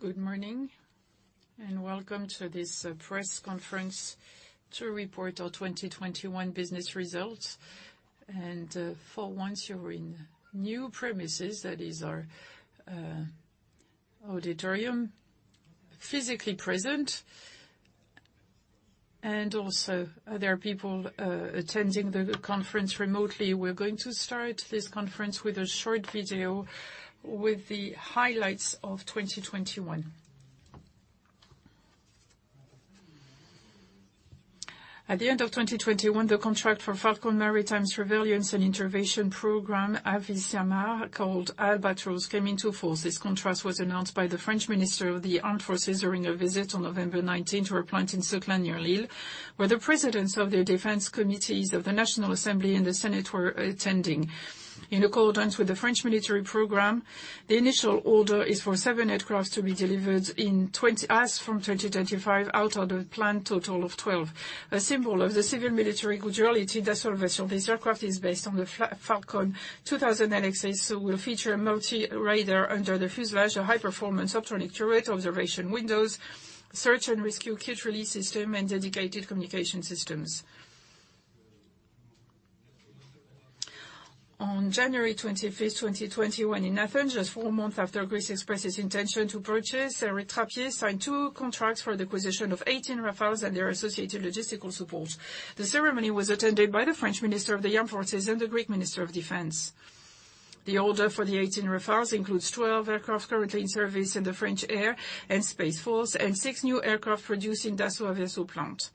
Good morning, and welcome to this press conference to report our 2021 business results. For once, you're in new premises. That is our auditorium. Physically present, and also there are people attending the conference remotely. We're going to start this conference with a short video with the highlights of 2021. At the end of 2021, the contract for the Falcon maritime surveillance and intervention program, AVSIMAR, called Albatros, came into force. This contract was announced by the French Minister of the Armed Forces during a visit on November 19 to our plant in Seclin, near Lille, where the presidents of the Defense Committees of the National Assembly and the Senate were attending. In accordance with the French military program, the initial order is for 7 aircraft to be delivered as from 2025 out of the planned total of 12. A symbol of the civil-military duality, Dassault Aviation, this aircraft is based on the Falcon 2000LXS, will feature multi-radar under the fuselage, a high-performance optronic turret, observation windows, search-and-rescue kit release system, and dedicated communication systems. On January 25th, 2021 in Athens, just four months after Greece expressed its intention to purchase, Éric Trappier signed two contracts for the acquisition of 18 Rafales and their associated logistical support. The ceremony was attended by the French Minister of the Armed Forces and the Greek Minister of Defense. The order for the 18 Rafales includes 12 aircraft currently in service in the French Air and Space Force and six new aircraft produced in Dassault Aviation plant.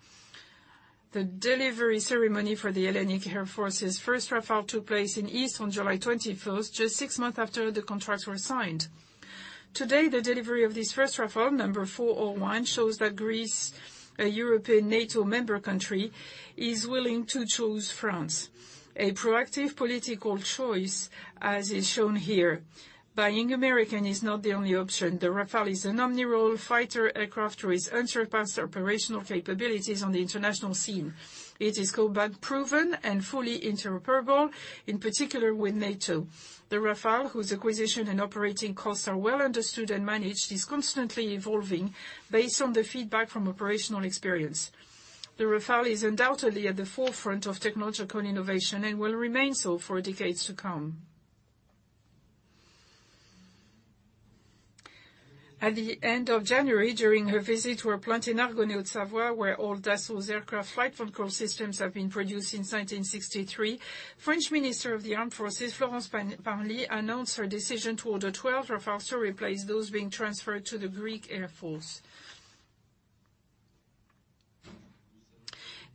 The delivery ceremony for the Hellenic Air Force's first Rafale took place in Istres on July 21, just six months after the contracts were signed. Today, the delivery of this first Rafale, number 401, shows that Greece, a European NATO member country, is willing to choose France. A proactive political choice, as is shown here. Buying American is not the only option. The Rafale is an omnirole fighter aircraft with unsurpassed operational capabilities on the international scene. It is combat-proven and fully interoperable, in particular with NATO. The Rafale, whose acquisition and operating costs are well understood and managed, is constantly evolving based on the feedback from operational experience. The Rafale is undoubtedly at the forefront of technological innovation and will remain so for decades to come. At the end of January, during her visit to our plant in Argonay, Haute-Savoie, where all Dassault's aircraft flight control systems have been produced since 1963, French Minister of the Armed Forces, Florence Parly, announced her decision to order 12 Rafales to replace those being transferred to the Hellenic Air Force.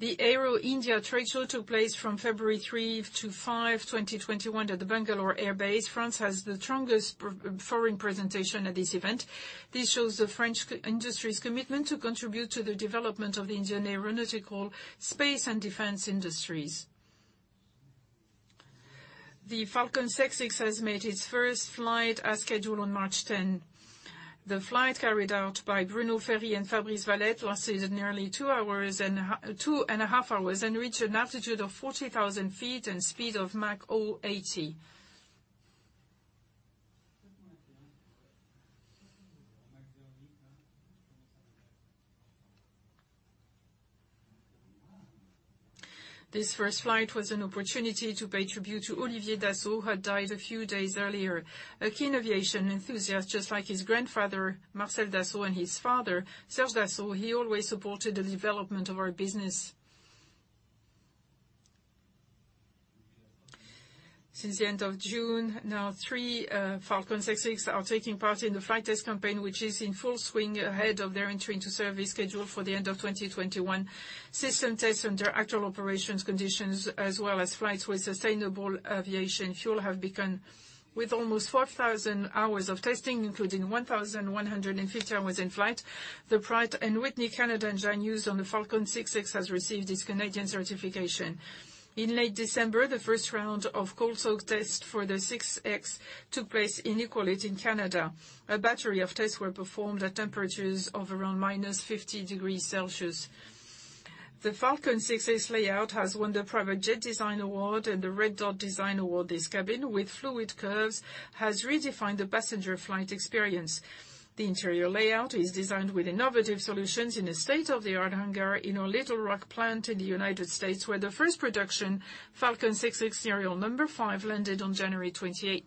The Aero India trade show took place from February 3-5, 2021 at the Bengaluru Air Base. France has the strongest presence at this event. This shows the French industry's commitment to contribute to the development of the Indian aerospace and defense industries. The Falcon 6X has made its first flight as scheduled on March 10. The flight carried out by Bruno Ferry and Fabrice Vallet lasted nearly 2.5 hours and reached an altitude of 40,000 feet and speed of Mach 0.80. This first flight was an opportunity to pay tribute to Olivier Dassault, who had died a few days earlier. A keen aviation enthusiast, just like his grandfather, Marcel Dassault, and his father, Serge Dassault, he always supported the development of our business. Since the end of June, now three Falcon 6Xs are taking part in the flight test campaign, which is in full swing ahead of their entry into service scheduled for the end of 2021. System tests under actual operations conditions, as well as flights with sustainable aviation fuel have begun. With almost 4,000 hours of testing, including 1,150 hours in flight, the Pratt & Whitney Canada engine used on the Falcon 6X has received its Canadian certification. In late December, the first round of cold soak tests for the 6X took place in Iqaluit in Canada. A battery of tests were performed at temperatures of around -50 degrees Celsius. The Falcon 6X layout has won the Private Jet Design Award and the Red Dot Design Award. This cabin with fluid curves has redefined the passenger flight experience. The interior layout is designed with innovative solutions in a state-of-the-art hangar in our Little Rock plant in the United States, where the first production Falcon 6X serial number 5 landed on January 28.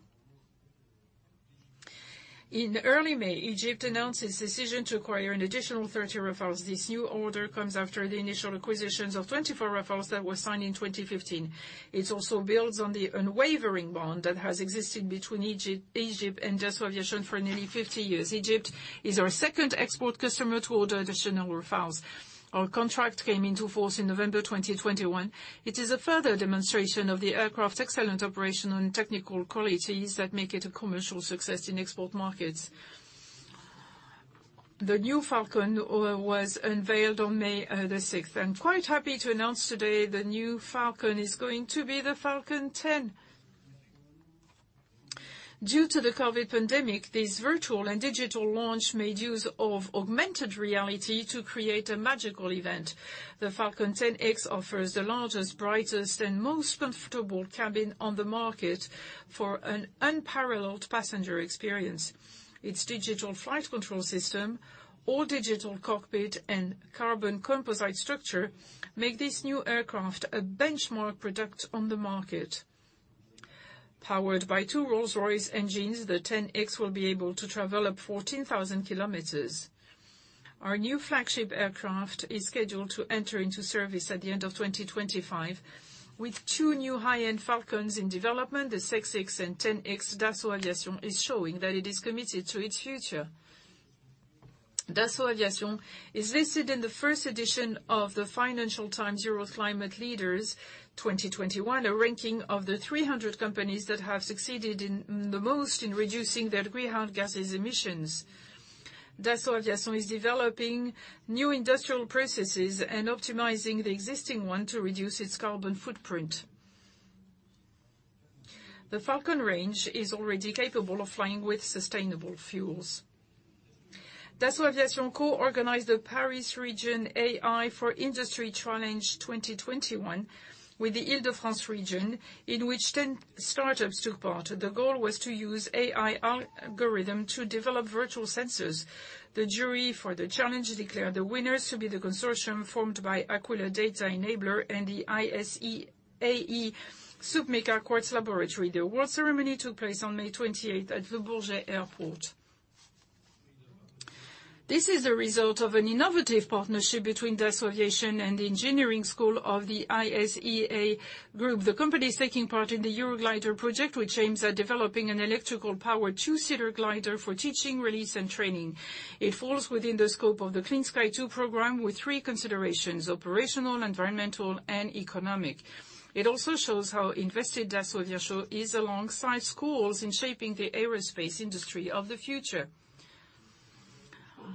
In early May, Egypt announced its decision to acquire an additional 30 Rafales. This new order comes after the initial acquisitions of 24 Rafales that were signed in 2015. It also builds on the unwavering bond that has existed between Egypt and Dassault Aviation for nearly 50 years. Egypt is our second export customer to order additional Rafales. Our contract came into force in November 2021. It is a further demonstration of the aircraft's excellent operational and technical qualities that make it a commercial success in export markets. The new Falcon was unveiled on May 6. I'm quite happy to announce today the new Falcon is going to be the Falcon 10X. Due to the COVID pandemic, this virtual and digital launch made use of augmented reality to create a magical event. The Falcon 10X offers the largest, brightest, and most comfortable cabin on the market. For an unparalleled passenger experience. Its digital flight control system, all-digital cockpit, and carbon composite structure make this new aircraft a benchmark product on the market. Powered by two Rolls-Royce engines, the 10X will be able to travel up 14,000 km. Our new flagship aircraft is scheduled to enter into service at the end of 2025. With two new high-end Falcons in development, the 6X and 10X, Dassault Aviation is showing that it is committed to its future. Dassault Aviation is listed in the first edition of the Financial Times Europe's Climate Leaders 2021, a ranking of the 300 companies that have succeeded in the most in reducing their greenhouse gas emissions. Dassault Aviation is developing new industrial processes and optimizing the existing one to reduce its carbon footprint. The Falcon range is already capable of flying with sustainable fuels. Dassault Aviation co-organized the Paris Region AI for Industry 2021 Challenge with the Île-de-France region, in which 10 startups took part. The goal was to use AI algorithm to develop virtual sensors. The jury for the challenge declared the winners to be the consortium formed by Aquila Data Enabler and the ISAE-Supméca Quartz laboratory. The award ceremony took place on May 28 at Le Bourget Airport. This is a result of an innovative partnership between Dassault Aviation and the engineering school of the ISAE Group. The company is taking part in the Euroglider project, which aims at developing an electrically powered two-seater glider for teaching, release, and training. It falls within the scope of the Clean Sky 2 program with three considerations, operational, environmental, and economic. It also shows how invested Dassault Aviation is alongside schools in shaping the aerospace industry of the future.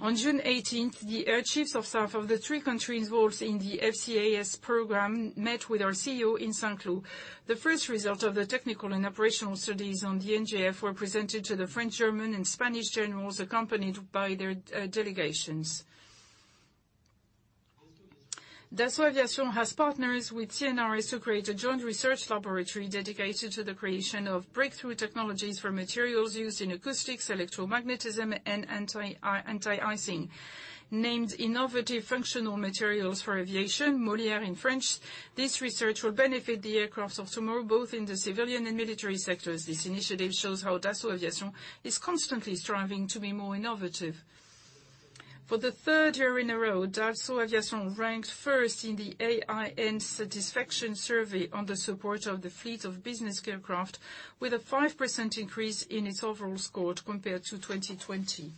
On June 18, the Air Chiefs of Staff of the three countries involved in the FCAS program met with our CEO in Saint-Cloud. The first result of the technical and operational studies on the NGF were presented to the French, German, and Spanish generals, accompanied by their delegations. Dassault Aviation has partnered with CNRS who create a joint research laboratory dedicated to the creation of breakthrough technologies for materials used in acoustics, electromagnetism, and anti-icing. Named Innovative Functional Materials for Aviation, MOLIÈRE in French. This research will benefit the aircraft of tomorrow, both in the civilian and military sectors. This initiative shows how Dassault Aviation is constantly striving to be more innovative. For the third year in a row, Dassault Aviation ranked first in the AIN satisfaction survey on the support of the fleet of business aircraft with a 5% increase in its overall score compared to 2020.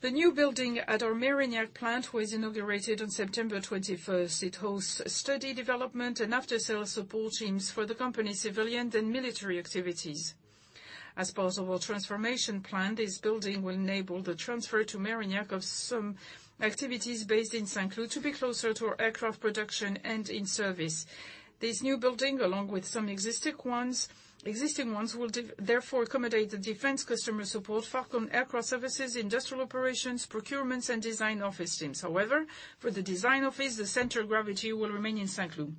The new building at our Mérignac plant was inaugurated on September twenty-first. It hosts study development and after-sales support teams for the company's civilian and military activities. As part of our transformation plan, this building will enable the transfer to Mérignac of some activities based in Saint-Cloud to be closer to our aircraft production and in service. This new building, along with some existing ones, will therefore accommodate the defense customer support, Falcon Aircraft Services, industrial operations, procurements, and design office teams. However, for the design office, the center of gravity will remain in Saint-Cloud.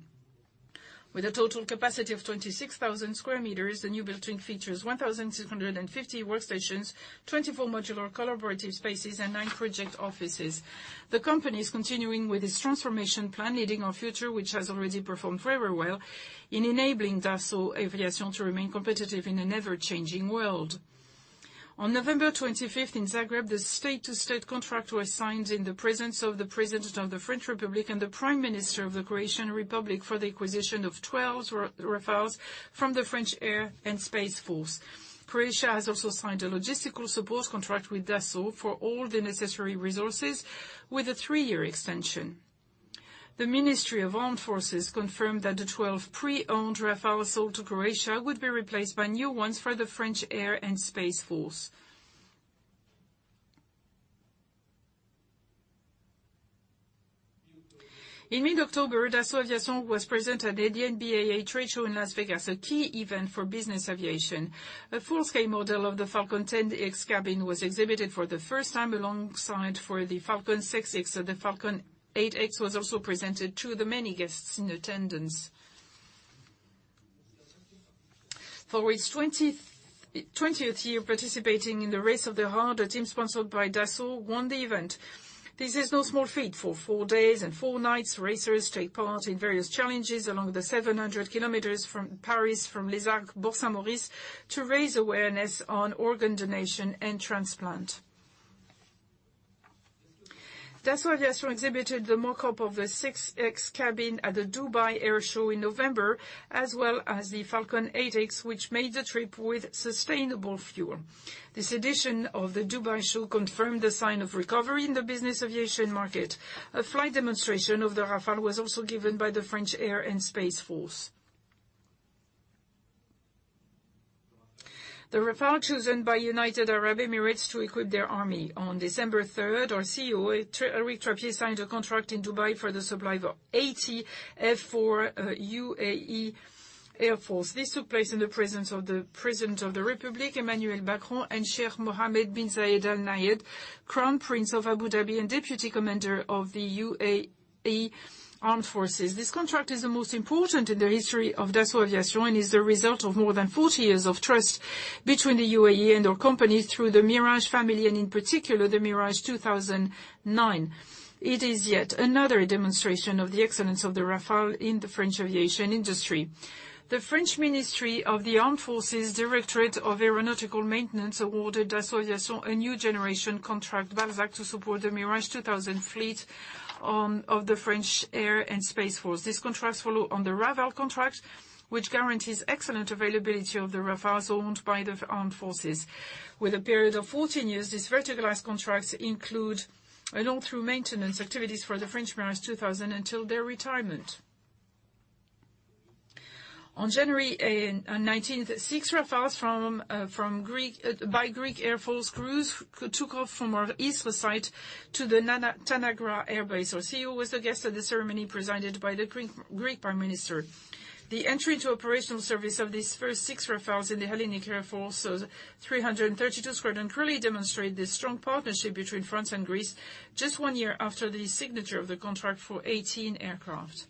With a total capacity of 26,000 sq m, the new building features 1,650 workstations, 24 modular collaborative spaces, and nine project offices. The company is continuing with its transformation plan, Leading Our Future, which has already performed very well in enabling Dassault Aviation to remain competitive in an ever-changing world. On November 25th in Zagreb, the state-to-state contract was signed in the presence of the President of the French Republic and the Prime Minister of the Croatian Republic for the acquisition of 12 Rafales from the French Air and Space Force. Croatia has also signed a logistical support contract with Dassault for all the necessary resources with a three-year extension. The Ministry of Armed Forces confirmed that the 12 pre-owned Rafale sold to Croatia would be replaced by new ones for the French Air and Space Force. In mid-October, Dassault Aviation was present at the NBAA trade show in Las Vegas, a key event for business aviation. A full-scale model of the Falcon 10X cabin was exhibited for the first time alongside for the Falcon 6X, and the Falcon 8X was also presented to the many guests in attendance. For its twentieth year participating in the Race of the Heart, a team sponsored by Dassault won the event. This is no small feat. For four days and four nights, racers take part in various challenges along the 700 kilometers from Paris, from Les Arcs, Bourg-Saint-Maurice, to raise awareness on organ donation and transplant. Dassault Aviation exhibited the mock-up of the 6X cabin at the Dubai Airshow in November, as well as the Falcon 8X, which made the trip with sustainable fuel. This edition of the Dubai show confirmed the sign of recovery in the business aviation market. A flight demonstration of the Rafale was also given by the French Air and Space Force. The Rafale chosen by United Arab Emirates to equip their army. On December 3, our CEO, Éric Trappier, signed a contract in Dubai for the supply of 80 F4 UAE Air Force. This took place in the presence of the President of the Republic, Emmanuel Macron, and Sheikh Mohamed bin Zayed Al Nahyan, Crown Prince of Abu Dhabi and Deputy Commander of the UAE. The Armed Forces. This contract is the most important in the history of Dassault Aviation, is the result of more than 40 years of trust between the UAE and our company through the Mirage family, and in particular, the Mirage 2000-9. It is yet another demonstration of the excellence of the Rafale in the French aviation industry. The French Ministry of the Armed Forces Directorate of Aeronautical Maintenance awarded Dassault Aviation a new generation contract, BALZAC, to support the Mirage 2000 fleet of the French Air and Space Force. These contracts follow on the Rafale contract, which guarantees excellent availability of the Rafales owned by the Armed Forces. With a period of 14 years, these verticalized contracts include an all through maintenance activities for the French Mirage 2000 until their retirement. On January nineteenth, six Rafales by Greek Air Force crews took off from our Istres site to the Tanagra Air Base. Our CEO was the guest at the ceremony presented by the Greek Prime Minister. The entry to operational service of these first six Rafales in the Hellenic Air Force's 332 Squadron clearly demonstrate the strong partnership between France and Greece just one year after the signature of the contract for 18 aircraft.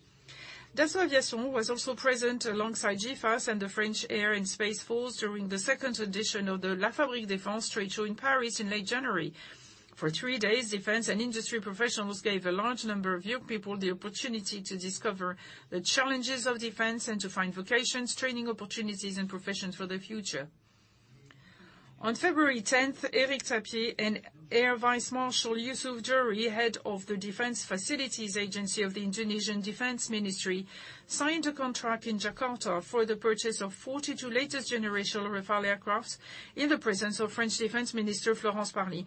Dassault Aviation was also present alongside GIFAS and the French Air and Space Force during the second edition of the La Fabrique Défense Trade Show in Paris in late January. For three days, defense and industry professionals gave a large number of young people the opportunity to discover the challenges of defense and to find vocations, training opportunities, and professions for the future. On February tenth, Éric Trappier and Air Vice Marshal Yusuf Jauhari, head of the Defense Facilities Agency of the Indonesian Defense Ministry, signed a contract in Jakarta for the purchase of 42 latest generation Rafale aircraft in the presence of French Defense Minister Florence Parly.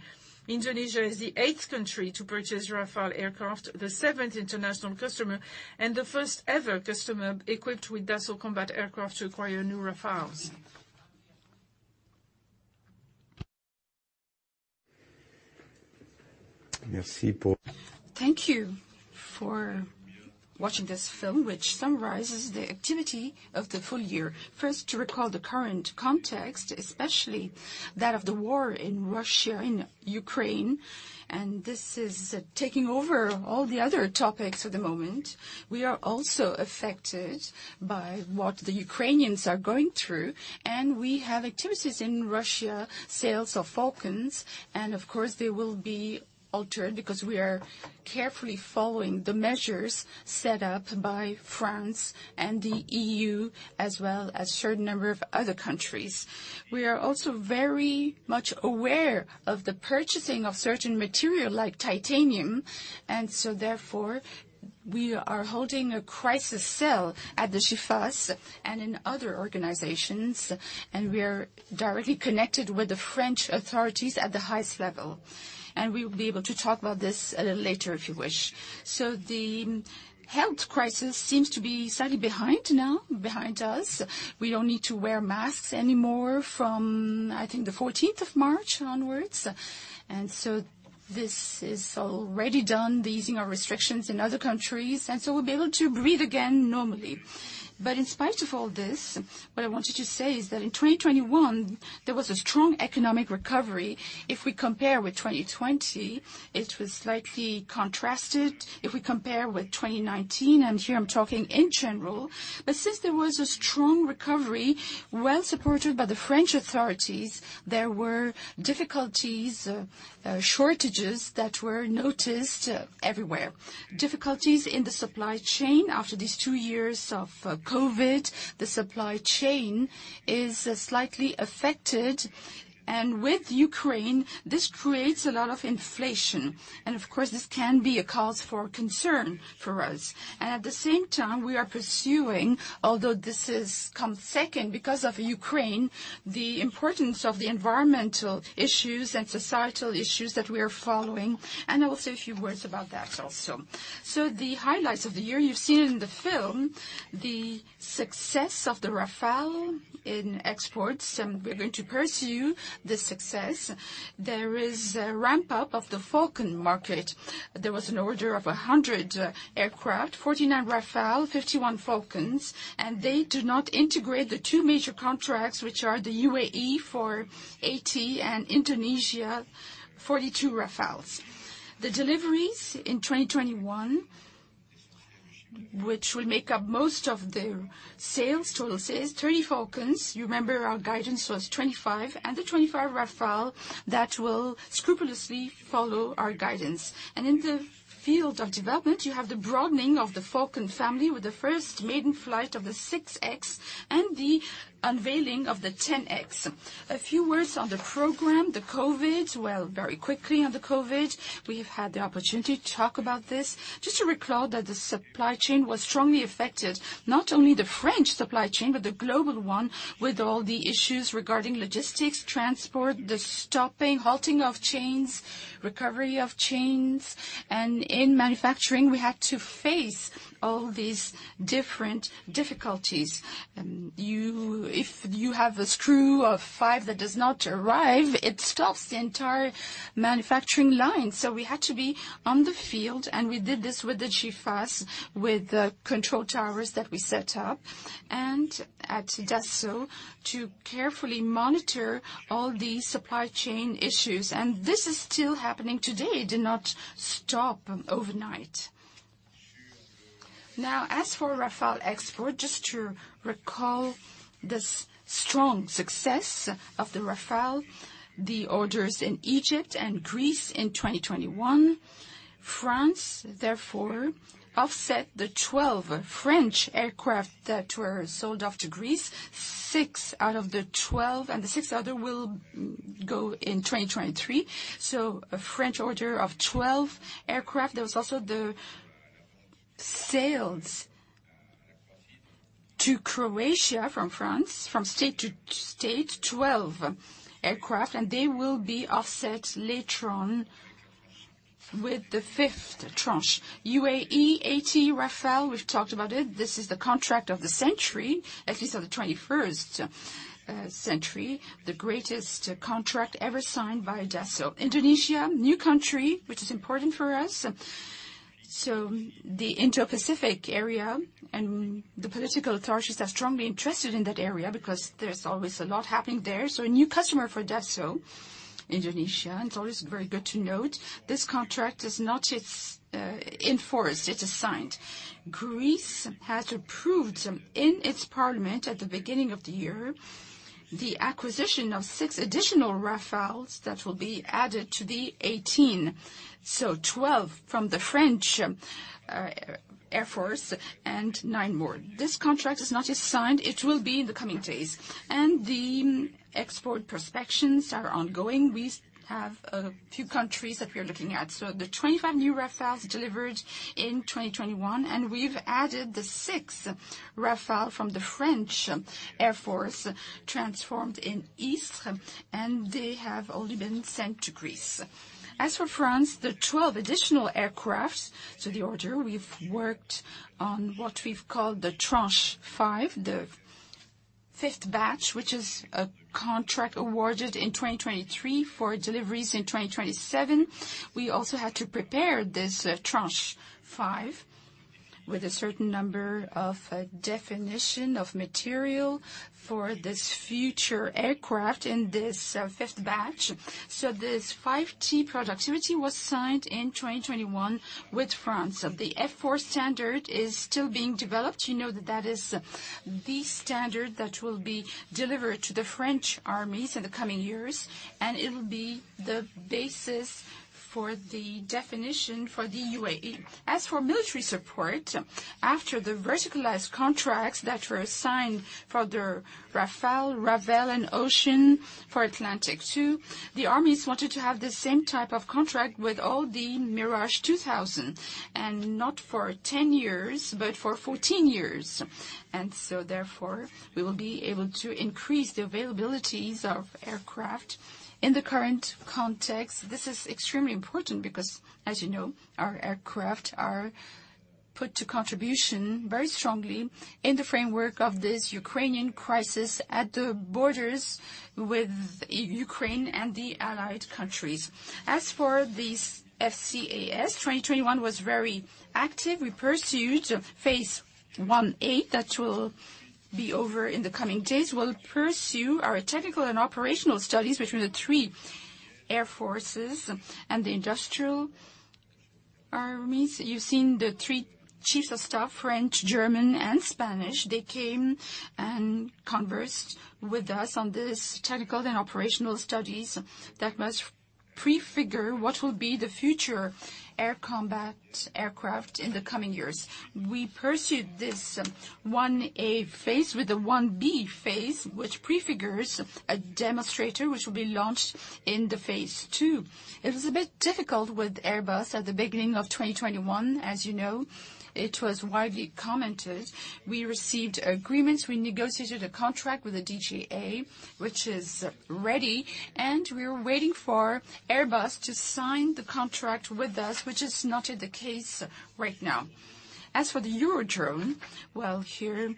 Indonesia is the eighth country to purchase Rafale aircraft, the seventh international customer, and the first-ever customer equipped with Dassault combat aircraft to acquire new Rafales. Thank you for watching this film, which summarizes the activity of the full year. First, to recall the current context, especially that of the war in Ukraine, and this is taking over all the other topics at the moment. We are also affected by what the Ukrainians are going through, and we have activities in Russia, sales of Falcons, and of course, they will be altered because we are carefully following the measures set up by France and the EU, as well as certain number of other countries. We are also very much aware of the purchasing of certain material, like titanium. We are holding a crisis cell at the GIFAS and in other organizations, and we are directly connected with the French authorities at the highest level. We will be able to talk about this a little later, if you wish. The health crisis seems to be slightly behind now, behind us. We don't need to wear masks anymore from, I think, the fourteenth of March onwards. This is already done, the easing of restrictions in other countries, and so we'll be able to breathe again normally. In spite of all this, what I wanted to say is that in 2021, there was a strong economic recovery. If we compare with 2020, it was slightly contrasted. If we compare with 2019, and here I'm talking in general, but since there was a strong recovery, well supported by the French authorities, there were difficulties, shortages that were noticed everywhere. Difficulties in the supply chain. After these two years of COVID, the supply chain is slightly affected. With Ukraine, this creates a lot of inflation. Of course, this can be a cause for concern for us. At the same time, we are pursuing, although this has come second because of Ukraine, the importance of the environmental issues and societal issues that we are following, and I will say a few words about that also. The highlights of the year, you've seen in the film the success of the Rafale in exports, and we're going to pursue this success. There is a ramp-up of the Falcon market. There was an order of 100 aircraft, 49 Rafale, 51 Falcons, and they do not integrate the two major contracts, which are the UAE for 80 and Indonesia, 42 Rafales. The deliveries in 2021, which will make up most of the sales, total sales, 30 Falcons. You remember our guidance was 25. The 25 Rafale that will scrupulously follow our guidance. In the field of development, you have the broadening of the Falcon family with the first maiden flight of the 6X and the unveiling of the 10X. A few words on the program, the COVID. Well, very quickly on the COVID, we've had the opportunity to talk about this. Just to recall that the supply chain was strongly affected, not only the French supply chain, but the global one, with all the issues regarding logistics, transport, the stopping, halting of chains, recovery of chains. In manufacturing, we had to face all these different difficulties. If you have a screw of five that does not arrive, it stops the entire manufacturing line. We had to be on the field, and we did this with the GIFAS, with the control towers that we set up, and at Dassault to carefully monitor all the supply chain issues. This is still happening today. It did not stop overnight. Now as for Rafale export, just to recall the strong success of the Rafale, the orders in Egypt and Greece in 2021. France therefore offset the 12 French aircraft that were sold off to Greece, six out of the 12, and the other six will go in 2023. A French order of 12 aircraft. There was also the sales to Croatia from France, from state to state, 12 aircraft, and they will be offset later on with the fifth tranche. UAE, 80 Rafale, we've talked about it. This is the contract of the century, at least of the twenty-first century, the greatest contract ever signed by Dassault. Indonesia, new country, which is important for us. The Indo-Pacific area and the political authorities are strongly interested in that area because there's always a lot happening there, so a new customer for Dassault, Indonesia, and it's always very good to note. This contract is not yet enforced. It is signed. Greece has approved some in its parliament at the beginning of the year, the acquisition of six additional Rafales that will be added to the 18, so 12 from the French Air Force and nine more. This contract is not yet signed. It will be in the coming days. The export prospects are ongoing. We have a few countries that we are looking at. The 25 new Rafales delivered in 2021, and we've added the sixth Rafale from the French Air and Space Force transformed in Istres, and they have only been sent to Greece. As for France, the 12 additional aircraft to the order, we've worked on what we've called the Tranche 5, the fifth batch, which is a contract awarded in 2023 for deliveries in 2027. We also had to prepare this Tranche 5 with a certain number of definition of material for this future aircraft in this fifth batch. This F4T productivity was signed in 2021 with France. The F4 standard is still being developed. You know that that is the standard that will be delivered to the French Armed Forces in the coming years, and it'll be the basis for the definition for the UAE. As for military support, after the verticalized contracts that were signed for the Rafale, RAVEL, and Océan for Atlantique 2, the armies wanted to have the same type of contract with all the Mirage 2000, and not for 10 years, but for 14 years. Therefore, we will be able to increase the availabilities of aircraft. In the current context, this is extremely important because, as you know, our aircraft are put to contribution very strongly in the framework of this Ukrainian crisis at the borders with Ukraine and the allied countries. As for these FCAS, 2021 was very active. We pursued Phase 1A. That will be over in the coming days. We'll pursue our technical and operational studies between the three air forces and the industrial armies. You've seen the three chiefs of staff, French, German, and Spanish. They came and conversed with us on these technical and operational studies that must prefigure what will be the future air combat aircraft in the coming years. We pursued this 1A phase with the 1B phase, which prefigures a demonstrator which will be launched in phase 2. It was a bit difficult with Airbus at the beginning of 2021, as you know. It was widely commented. We received agreements. We negotiated a contract with the DGA, which is ready, and we are waiting for Airbus to sign the contract with us, which is not yet the case right now. As for the Eurodrone, well, here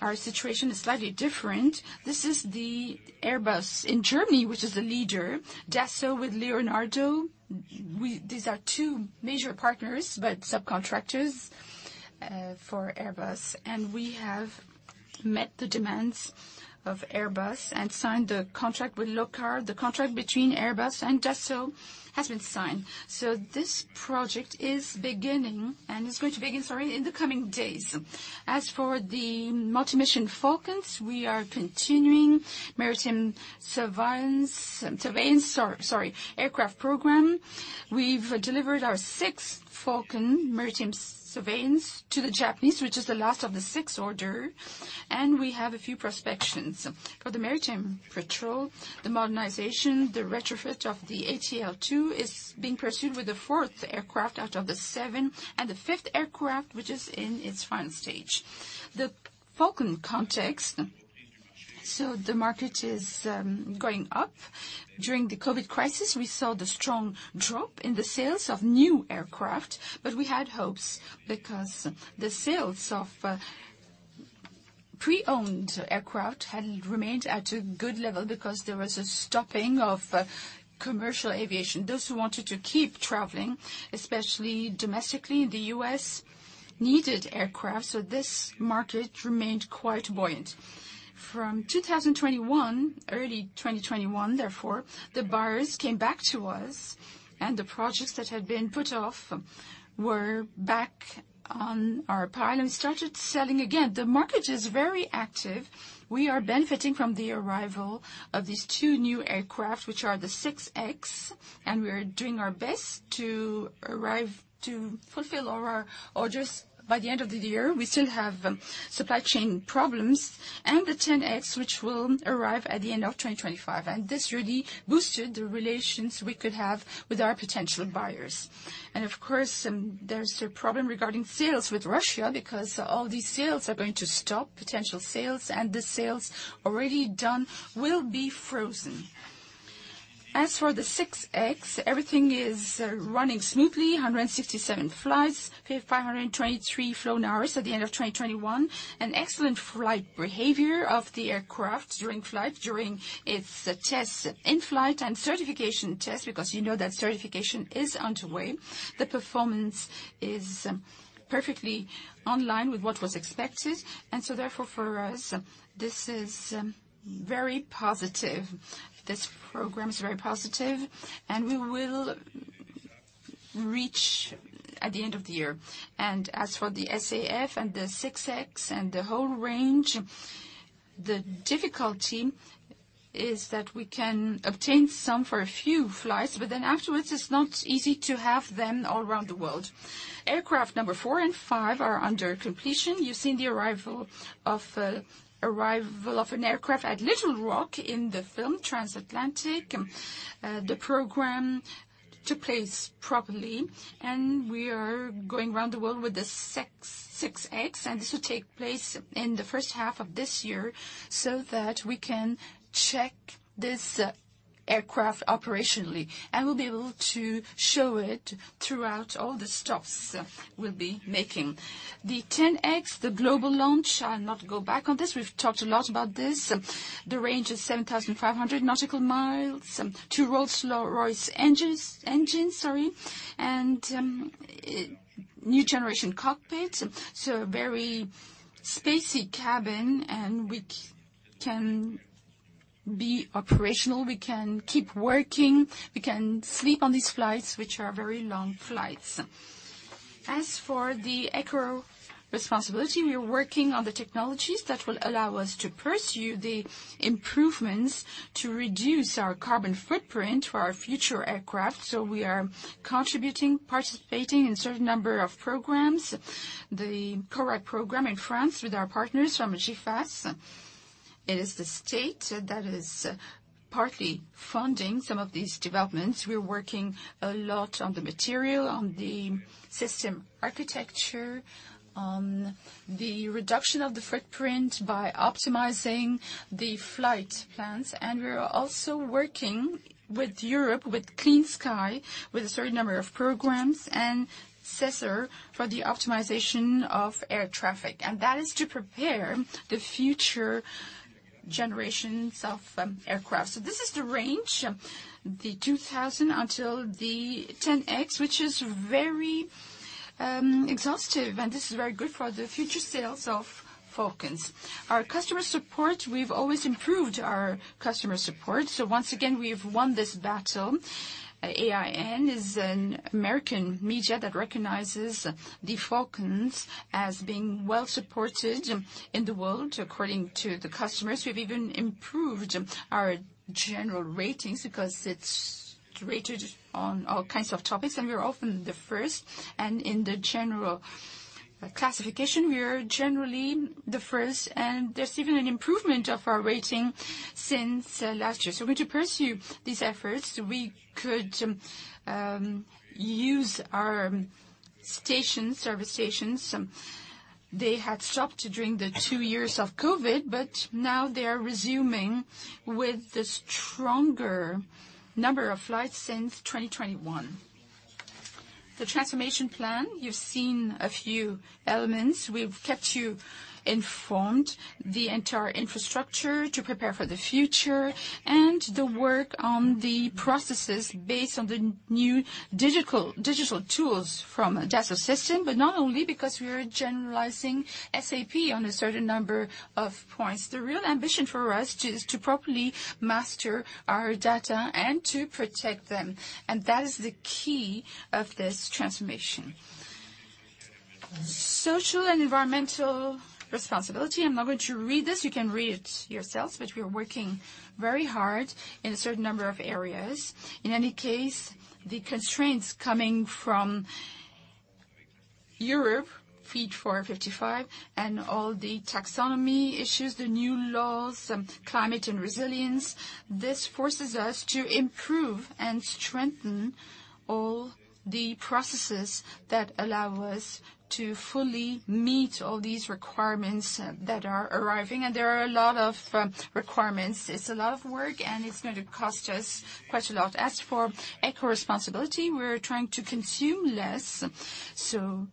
our situation is slightly different. This is the Airbus in Germany, which is the leader. Dassault with Leonardo, these are two major partners but subcontractors for Airbus, and we have met the demands of Airbus and signed the contract with Leonardo. The contract between Airbus and Dassault has been signed. This project is beginning, and it's going to begin in the coming days. As for the multi-mission Falcons, we are continuing maritime surveillance aircraft program. We've delivered our sixth Falcon maritime surveillance to the Japanese, which is the last of the sixth order, and we have a few prospects. For the maritime patrol, the modernization, the retrofit of the ATL2 is being pursued with the fourth aircraft out of the seven and the fifth aircraft, which is in its final stage. The Falcon context, the market is going up. During the Covid crisis, we saw the strong drop in the sales of new aircraft, but we had hopes because the sales of used pre-owned aircraft had remained at a good level because there was a stopping of commercial aviation. Those who wanted to keep traveling, especially domestically in the US, needed aircraft, so this market remained quite buoyant. From 2021, early 2021 therefore, the buyers came back to us, and the projects that had been put off were back on our plate and started selling again. The market is very active. We are benefiting from the arrival of these two new aircraft, which are the 6X, and we are doing our best to arrive to fulfill all our orders by the end of the year. We still have supply chain problems and the 10X, which will arrive at the end of 2025, and this really boosted the relations we could have with our potential buyers. Of course, there's a problem regarding sales with Russia because all these sales are going to stop, potential sales, and the sales already done will be frozen. As for the 6X, everything is running smoothly. 167 flights, 523 flight hours at the end of 2021. An excellent flight behavior of the aircraft during flight, during its tests in flight and certification tests because you know that certification is underway. The performance is perfectly in line with what was expected. Therefore for us, this is very positive. This program is very positive, and we will reach at the end of the year. As for the SAF and the 6X and the whole range, the difficulty is that we can obtain some for a few flights, but then afterwards it's not easy to have them all around the world. Aircraft number 4 and 5 are under completion. You've seen the arrival of an aircraft at Little Rock in the film Transatlantic. The program took place properly, and we are going around the world with the 6X, and this will take place in the first half of this year so that we can check this aircraft operationally, and we'll be able to show it throughout all the stops we'll be making. The 10X, the global launch, I'll not go back on this. We've talked a lot about this. The range is 7,500 nautical miles, two Rolls-Royce engines, and new generation cockpit, so very spacious cabin and which can be operational. We can keep working. We can sleep on these flights, which are very long flights. As for the eco responsibility, we are working on the technologies that will allow us to pursue the improvements to reduce our carbon footprint for our future aircraft. We are contributing, participating in a certain number of programs. The CORAC program in France with our partners from GIFAS. It is the state that is partly funding some of these developments. We're working a lot on the material, on the system architecture, on the reduction of the footprint by optimizing the flight plans. We are also working with Europe, with Clean Sky, with a certain number of programs and SESAR for the optimization of air traffic. That is to prepare the future generations of aircraft. This is the range, the 2000 until the 10X, which is very exhaustive, and this is very good for the future sales of Falcons. Our customer support, we've always improved our customer support. Once again, we've won this battle. AIN is an American media that recognizes the Falcons as being well supported in the world, according to the customers. We've even improved our general ratings because it's rated on all kinds of topics, and we are often the first, and in the general classification, we are generally the first, and there's even an improvement of our rating since last year. We're going to pursue these efforts. We could use our stations, service stations. They had stopped during the two years of COVID, but now they are resuming with a stronger number of flights since 2021. The transformation plan, you've seen a few elements. We've kept you informed. The entire infrastructure to prepare for the future and the work on the processes based on the new digital tools from Dassault Systèmes. Not only because we are generalizing SAP on a certain number of points. The real ambition for us is to properly master our data and to protect them, and that is the key of this transformation. Social and environmental responsibility. I'm not going to read this. You can read it yourselves, but we are working very hard in a certain number of areas. In any case, the constraints coming from Europe Fit for 55 and all the taxonomy issues, the new laws, climate and resilience, this forces us to improve and strengthen all the processes that allow us to fully meet all these requirements that are arriving. There are a lot of requirements. It's a lot of work, and it's going to cost us quite a lot. As for eco-responsibility, we're trying to consume less.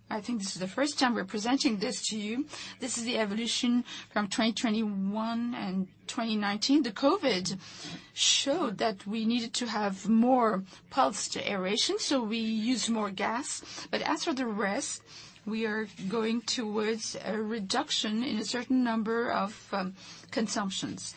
I think this is the first time we're presenting this to you. This is the evolution from 2021 and 2019. The COVID showed that we needed to have more pulsed aeration, so we used more gas. As for the rest, we are going towards a reduction in a certain number of consumptions,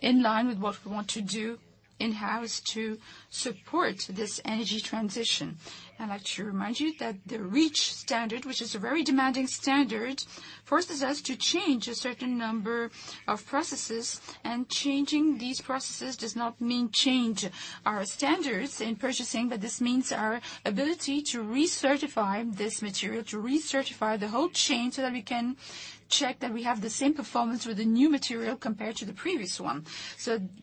in line with what we want to do in-house to support this energy transition. I'd like to remind you that the REACH standard, which is a very demanding standard, forces us to change a certain number of processes. Changing these processes does not mean change our standards in purchasing, but this means our ability to recertify this material, to recertify the whole chain so that we can check that we have the same performance with the new material compared to the previous one.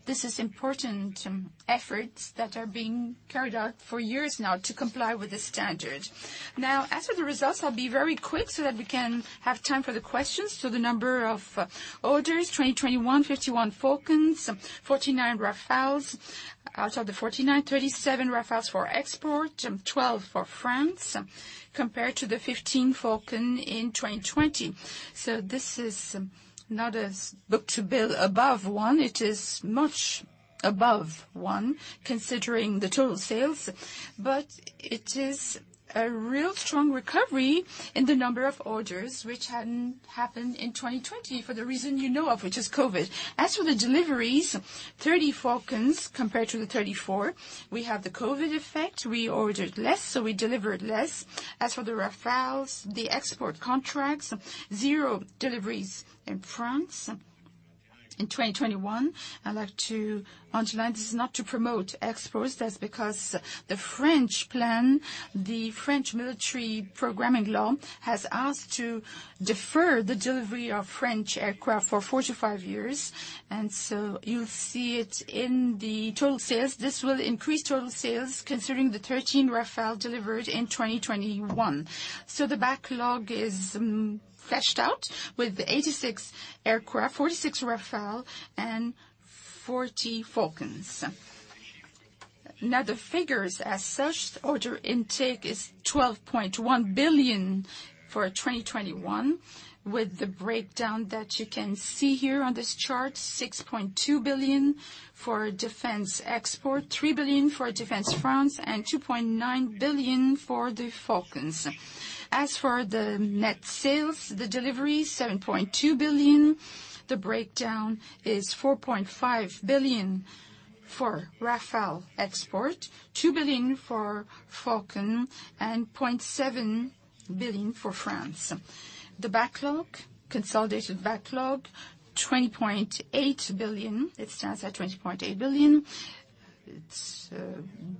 This is important efforts that are being carried out for years now to comply with the standard. Now, as for the results, I'll be very quick so that we can have time for the questions. The number of orders, 2021, 51 Falcons, 49 Rafales. Out of the 49, 37 Rafales for export, 12 for France, compared to the 15 Falcon in 2020. This is not a book-to-bill above one. It is much above one, considering the total sales. It is a real strong recovery in the number of orders which hadn't happened in 2020 for the reason you know of, which is COVID. As for the deliveries, 30 Falcons compared to the 34. We have the COVID effect. We ordered less, so we delivered less. As for the Rafales, the export contracts, 0 deliveries in France in 2021. I'd like to underline, this is not to promote exports. That's because the French plan, the French Military Programming Law has asked to defer the delivery of French aircraft for 45 years. You'll see it in the total sales. This will increase total sales considering the 13 Rafale delivered in 2021. The backlog is fleshed out with 86 aircraft, 46 Rafale and 40 Falcons. Now, the figures. As such, order intake is 12.1 billion for 2021, with the breakdown that you can see here on this chart, 6.2 billion for defense export, 3 billion for defense France, and 2.9 billion for the Falcons. As for the net sales, the delivery, 7.2 billion. The breakdown is 4.5 billion for Rafale export, 2 billion for Falcon, and 0.7 billion for France. The backlog, consolidated backlog, 20.8 billion. It stands at 20.8 billion. It's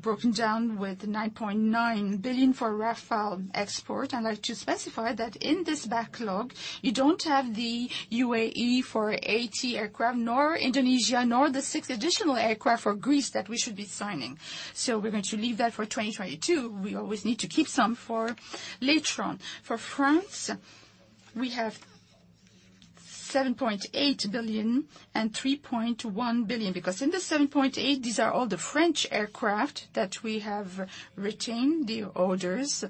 broken down with 9.9 billion for Rafale export. I'd like to specify that in this backlog, you don't have the UAE for 80 aircraft, nor Indonesia, nor the six additional aircraft for Greece that we should be signing. We're going to leave that for 2022. We always need to keep some for later on. For France, we have 7.8 billion and 3.1 billion, because in the 7.8 billion, these are all the French aircraft that we have retained the orders.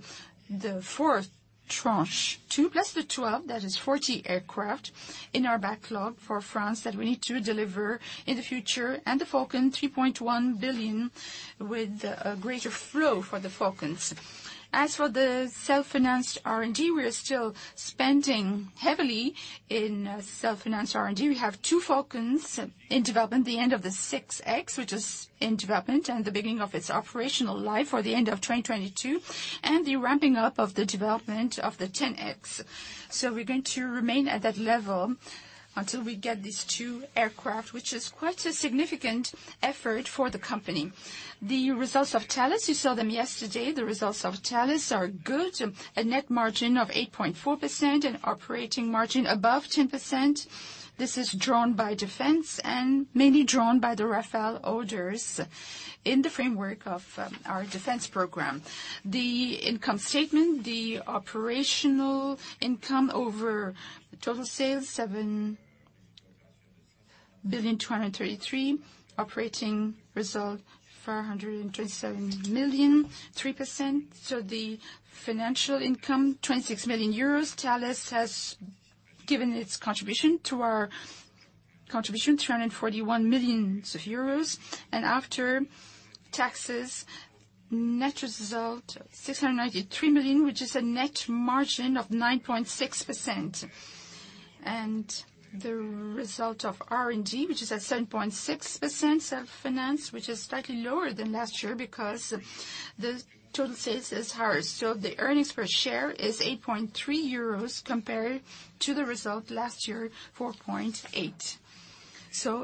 The fourth tranche, 28 plus the 12, that is 40 aircraft in our backlog for France that we need to deliver in the future. The Falcon, 3.1 billion with a greater flow for the Falcons. As for the self-financed R&D, we are still spending heavily in self-financed R&D. We have two Falcons in development, the end of the 6X, which is in development and the beginning of its operational life for the end of 2022, and the ramping up of the development of the 10X. We're going to remain at that level until we get these two aircraft, which is quite a significant effort for the company. The results of Thales, you saw them yesterday. The results of Thales are good, a net margin of 8.4% and operating margin above 10%. This is drawn by defense and mainly drawn by the Rafale orders in the framework of our defense program. The income statement, the operational income over total sales, 7.233 billion, operating result, 427 million, 3%. The financial income, 26 million euros. Thales has given its contribution to our contribution, 341 million euros. After taxes, net result, 693 million, which is a net margin of 9.6%. The result of R&D, which is at 7.6% self-finance, which is slightly lower than last year because the total sales is higher. The earnings per share is 8.3 euros compared to the result last year, 4.8.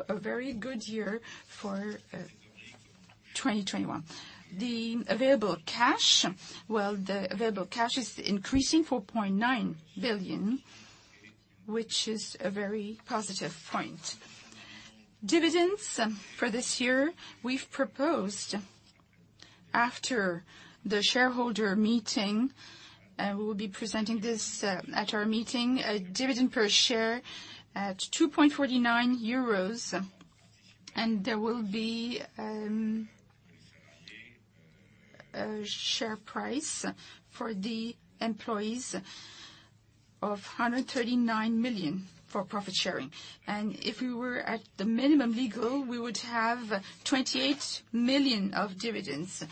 A very good year for 2021. The available cash, well, the available cash is increasing 4.9 billion, which is a very positive point. Dividends for this year, we've proposed after the shareholder meeting, and we'll be presenting this at our meeting, a dividend per share at 2.49 euros. There will be a share price for the employees of 139 million for profit sharing. If we were at the minimum legal, we would have 28 million of dividends.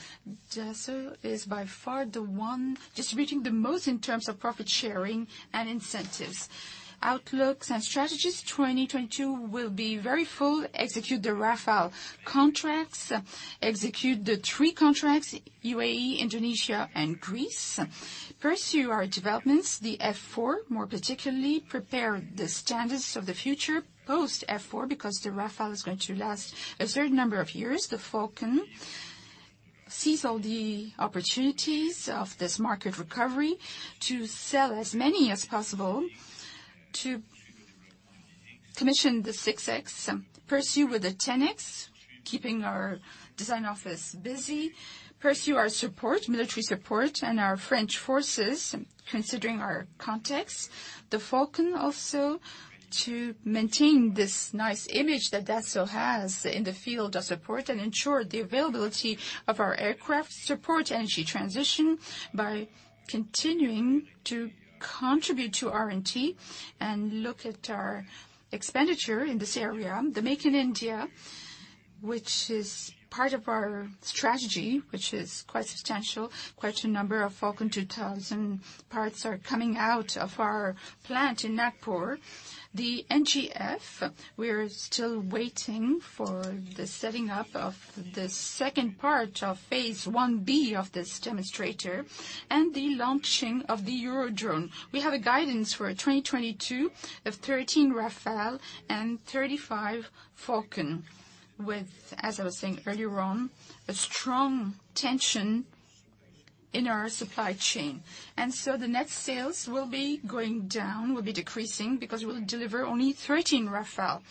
Dassault is by far the one distributing the most in terms of profit sharing and incentives. Outlooks and strategies. 2022 will be very full. Execute the Rafale contracts. Execute the three contracts, UAE, Indonesia and Greece. Pursue our developments, the F4, more particularly prepare the standards of the future post F4 because the Rafale is going to last a certain number of years. The Falcon seize all the opportunities of this market recovery to sell as many as possible. To commission the 6X, pursue with the 10X, keeping our design office busy. Pursue our support, military support and our French forces, considering our context. The Falcon also to maintain this nice image that Dassault has in the field of support and ensure the availability of our aircraft support energy transition by continuing to contribute to R&T and look at our expenditure in this area. The Make in India, which is part of our strategy, which is quite substantial. Quite a number of Falcon 2000 parts are coming out of our plant in Nagpur. The NGF, we're still waiting for the setting up of the second part of phase 1B of this demonstrator and the launching of the Eurodrone. We have a guidance for 2022 of 13 Rafale and 35 Falcon with, as I was saying earlier on, a strong tension in our supply chain. The net sales will be going down, will be decreasing because we'll deliver only 13 Rafale.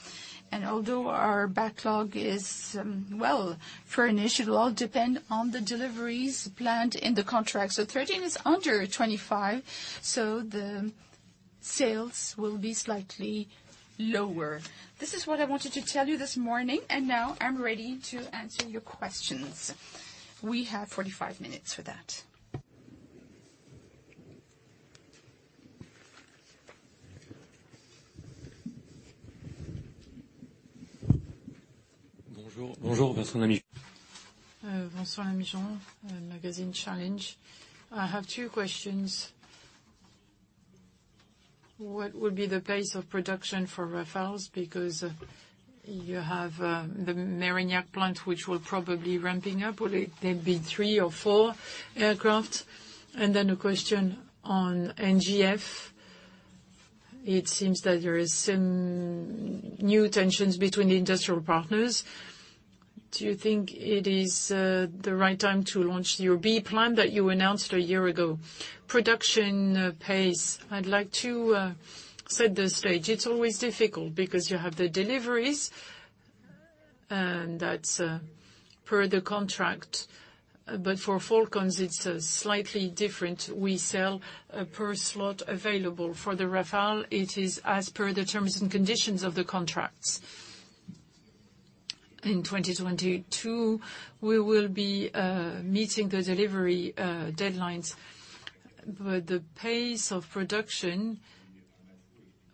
Although our backlog is, well furnished, it'll all depend on the deliveries planned in the contract. Thirteen is under 25, so the sales will be slightly lower. This is what I wanted to tell you this morning, and now I'm ready to answer your questions. We have 45 minutes for that. Bonjour. Vincent Lamigeon, magazine Challenges. I have two questions. What would be the pace of production for Rafales? Because you have the Mérignac plant which will probably ramping up. Will there be three or four aircraft? Then a question on NGF. It seems that there is some new tensions between the industrial partners. Do you think it is the right time to launch your B plan that you announced a year ago? Production pace. I'd like to set the stage. It's always difficult because you have the deliveries and that's per the contract. But for Falcons, it's slightly different. We sell per slot available. For the Rafale, it is as per the terms and conditions of the contracts. In 2022, we will be meeting the delivery deadlines. But the pace of production,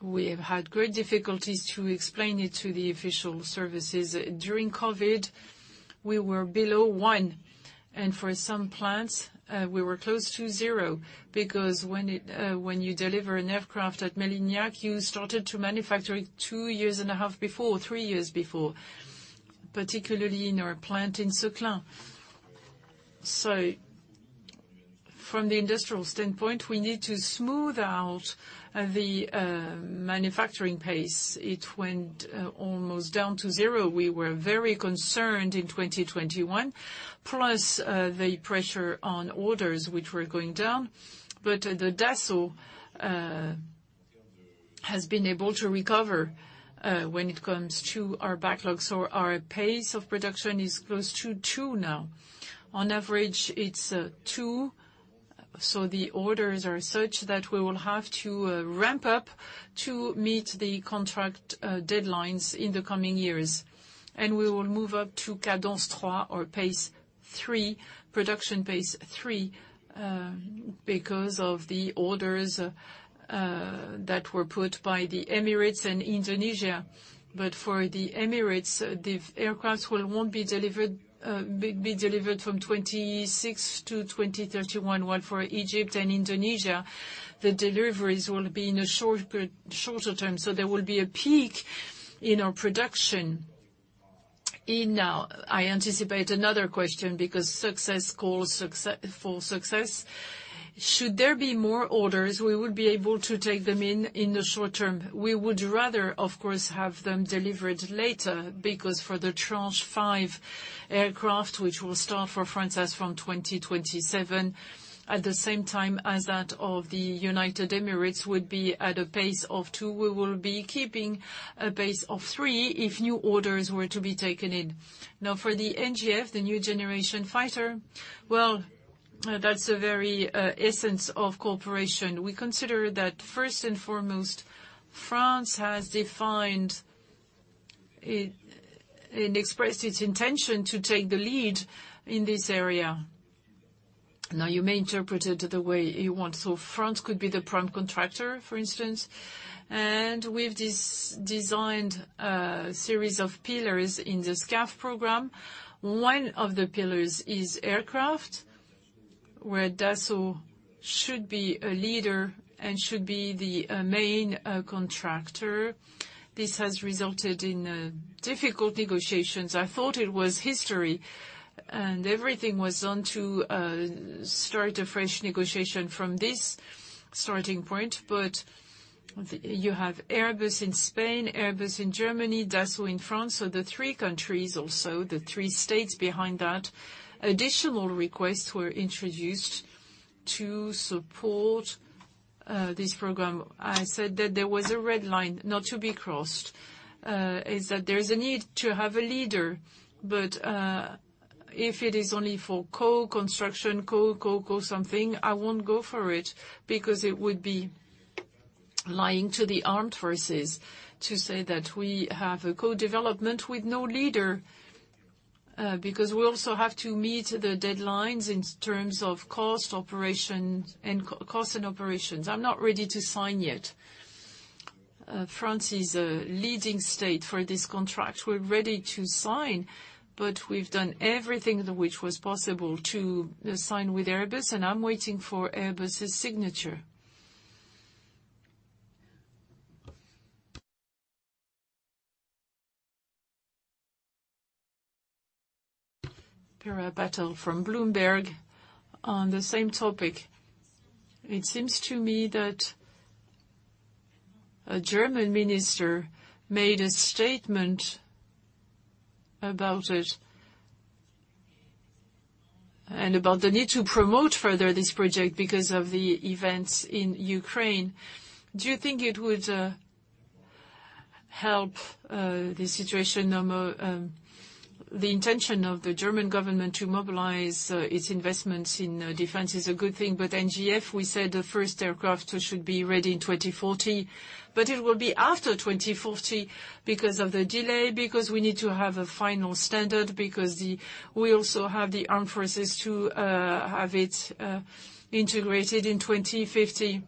we have had great difficulties to explain it to the official services. During Covid, we were below one, and for some plants, we were close to zero. Because when you deliver an aircraft at Mérignac, you started to manufacture it two years and a half before, three years before, particularly in our plant in Seclin. So from the industrial standpoint, we need to smooth out the manufacturing pace. It went almost down to zero. We were very concerned in 2021, the pressure on orders which were going down. The Dassault has been able to recover when it comes to our backlogs, or our pace of production is close to two now. On average, it's two, so the orders are such that we will have to ramp up to meet the contract deadlines in the coming years. We will move up to cadence trois or pace 3, production pace 3, because of the orders that were put by the Emirates and Indonesia. For the Emirates, the aircraft will be delivered from 2026 to 2031, while for Egypt and Indonesia, the deliveries will be in a shorter term. There will be a peak in our production. I anticipate another question because success calls for success. Should there be more orders, we would be able to take them in the short term. We would rather, of course, have them delivered later because for the Tranche 5 aircraft, which will start for France from 2027, at the same time as that of the United Arab Emirates would be at a pace of two. We will be keeping a base of three if new orders were to be taken in. Now for the NGF, the Next Generation Fighter, well, that's a very essence of cooperation. We consider that first and foremost, France has defined it, and expressed its intention to take the lead in this area. Now you may interpret it the way you want. France could be the prime contractor, for instance. We've designed a series of pillars in the SCAF program. One of the pillars is aircraft, where Dassault should be a leader and should be the main contractor. This has resulted in difficult negotiations. I thought it was history and everything was done to start a fresh negotiation from this starting point. You have Airbus in Spain, Airbus in Germany, Dassault in France. The three countries, also the three states behind that, additional requests were introduced to support this program. I said that there was a red line not to be crossed, is that there is a need to have a leader. If it is only for co-construction, co something, I won't go for it because it would be lying to the armed forces to say that we have a co-development with no leader. Because we also have to meet the deadlines in terms of cost, operation and cost and operations. I'm not ready to sign yet. France is a leading state for this contract. We're ready to sign, but we've done everything which was possible to sign with Airbus, and I'm waiting for Airbus's signature. Tara Patel from Bloomberg. On the same topic, it seems to me that a German minister made a statement about it, and about the need to promote further this project because of the events in Ukraine. Do you think it would help the situation? The intention of the German government to mobilize its investments in defense is a good thing. NGF, we said the first aircraft should be ready in 2040, but it will be after 2040 because of the delay, because we need to have a final standard, because we also have the armed forces to have it integrated in 2050.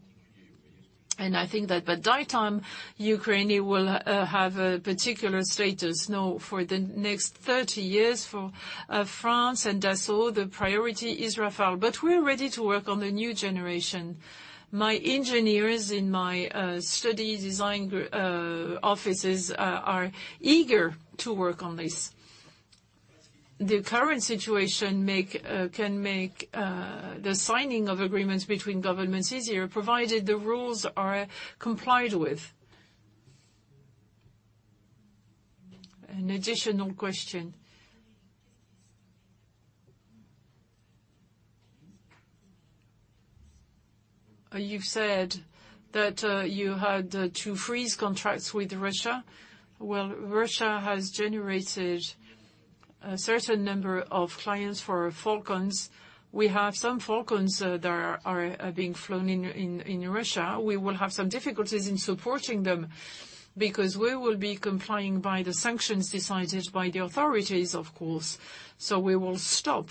I think that by that time, Ukraine will have a particular status. No, for the next 30 years for France and Dassault, the priority is Rafale. We're ready to work on the new generation. My engineers in my study design group offices are eager to work on this. The current situation can make the signing of agreements between governments easier, provided the rules are complied with. An additional question. You've said that you had to freeze contracts with Russia. Well, Russia has generated a certain number of clients for Falcons. We have some Falcons that are being flown in Russia. We will have some difficulties in supporting them because we will be complying by the sanctions decided by the authorities, of course. We will stop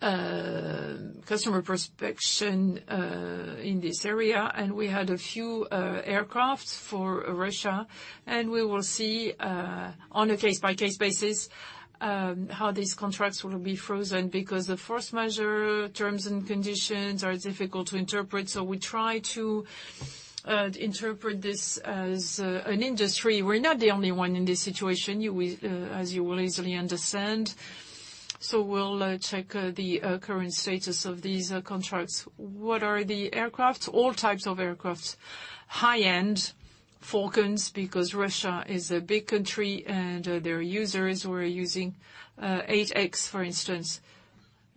customer prospection in this area. We had a few aircraft for Russia, and we will see on a case-by-case basis how these contracts will be frozen because the force majeure terms and conditions are difficult to interpret. We try to interpret this as an industry. We're not the only one in this situation, you will, as you will easily understand. We'll check the current status of these contracts. What are the aircraft? All types of aircraft, high-end Falcons, because Russia is a big country and their users were using 8X, for instance,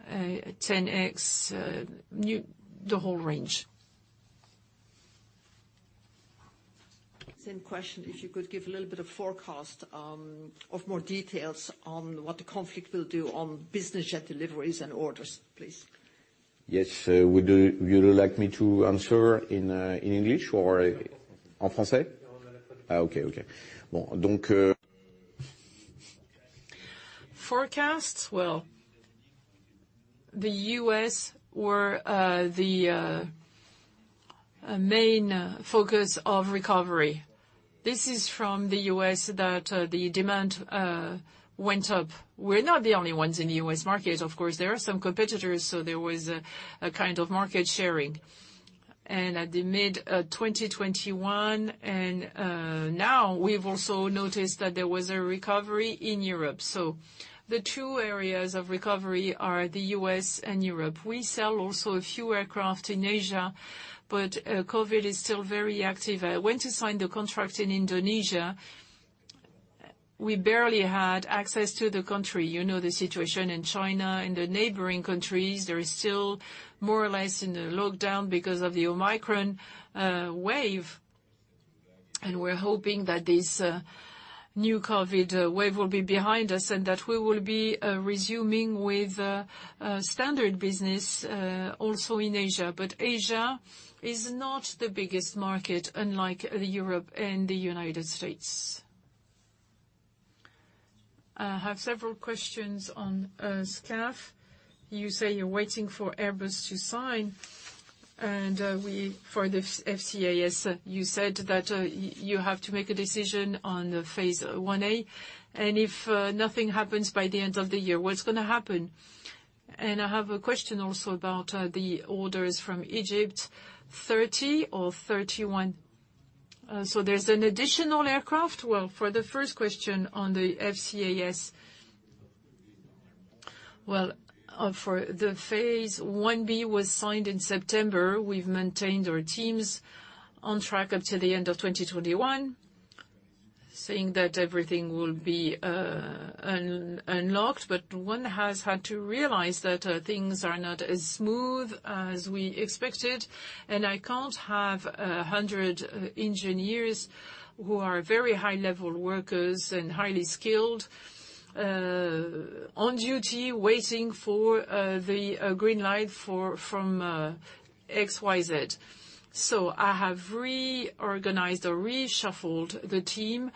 10X, the whole range. Same question. If you could give a little bit of forecast, of more details on what the conflict will do on business jet deliveries and orders, please. Yes. Would you like me on answer in English or en français? Forecasts, well, the U.S. were the main focus of recovery. This is from the U.S. that the demand went up. We're not the only ones in the U.S. market, of course, there are some competitors, so there was a kind of market sharing. At the mid-2021 and now we've also noticed that there was a recovery in Europe. The two areas of recovery are the U.S. and Europe. We sell also a few aircraft in Asia, but COVID is still very active. When we signed the contract in Indonesia, we barely had access to the country. You know, the situation in China, in the neighboring countries, there is still more or less in the lockdown because of the Omicron wave. We're hoping that this new COVID wave will be behind us and that we will be resuming with standard business also in Asia. Asia is not the biggest market unlike Europe and the United States. I have several questions on SCAF. You say you're waiting for Airbus to sign, and for the FCAS, you said that you have to make a decision on the phase 1A, and if nothing happens by the end of the year, what's gonna happen? I have a question also about the orders from Egypt, 30 or 31. So there's an additional aircraft? Well, for the first question on the FCAS. Well, for the phase 1B was signed in September. We've maintained our teams on track up to the end of 2021, saying that everything will be unlocked. One has had to realize that things are not as smooth as we expected, and I can't have 100 engineers who are very high-level workers and highly skilled on duty waiting for the green light from XYZ. I have reorganized or reshuffled the team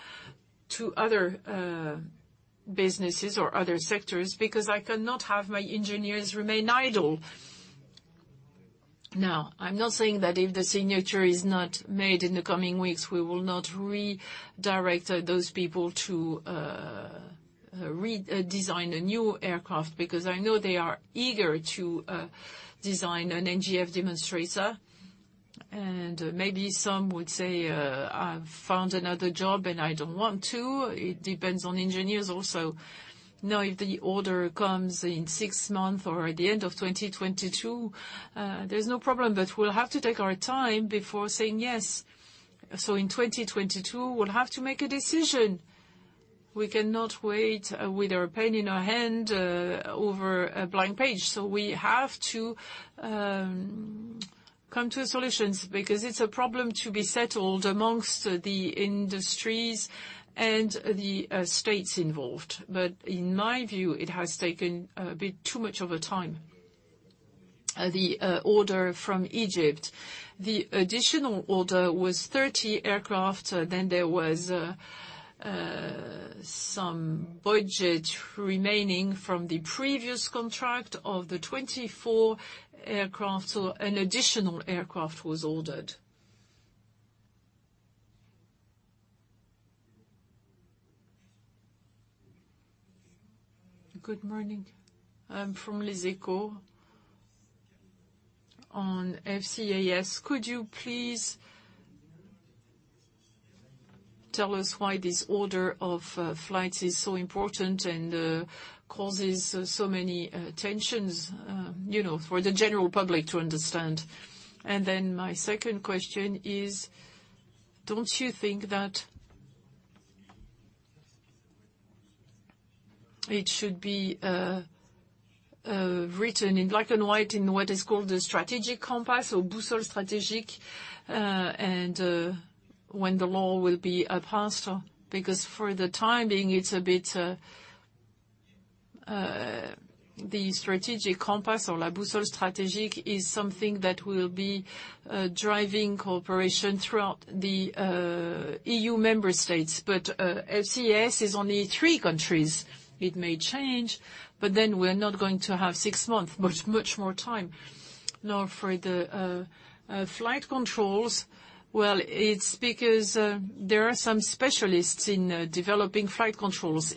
to other businesses or other sectors because I cannot have my engineers remain idle. Now, I'm not saying that if the signature is not made in the coming weeks, we will not redirect those people to redesign a new aircraft because I know they are eager to design an NGF demonstrator. Maybe some would say, "I've found another job, and I don't want to." It depends on engineers also. Now, if the order comes in six months or at the end of 2022, there's no problem, but we'll have to take our time before saying yes. In 2022, we'll have to make a decision. We cannot wait with a pen in our hand over a blank page. We have to come to solutions because it's a problem to be settled amongst the industries and the states involved. In my view, it has taken a bit too much of a time. The order from Egypt, the additional order was 30 aircraft. Then there was some budget remaining from the previous contract of the 24 aircraft, so an additional aircraft was ordered. Good morning. I'm from Les Echos. On FCAS, could you please tell us why this order of flights is so important and causes so many tensions, you know, for the general public to understand? My second question is, don't you think that it should be written in black and white in what is called the strategic compass or Boussole Stratégique, and when the law will be passed? Because for the time being, it's a bit. The strategic compass or la Boussole Stratégique is something that will be driving cooperation throughout the EU member states. FCAS is only three countries. It may change, but then we're not going to have six months, much more time. Now for the flight controls, well, it's because there are some specialists in developing flight controls.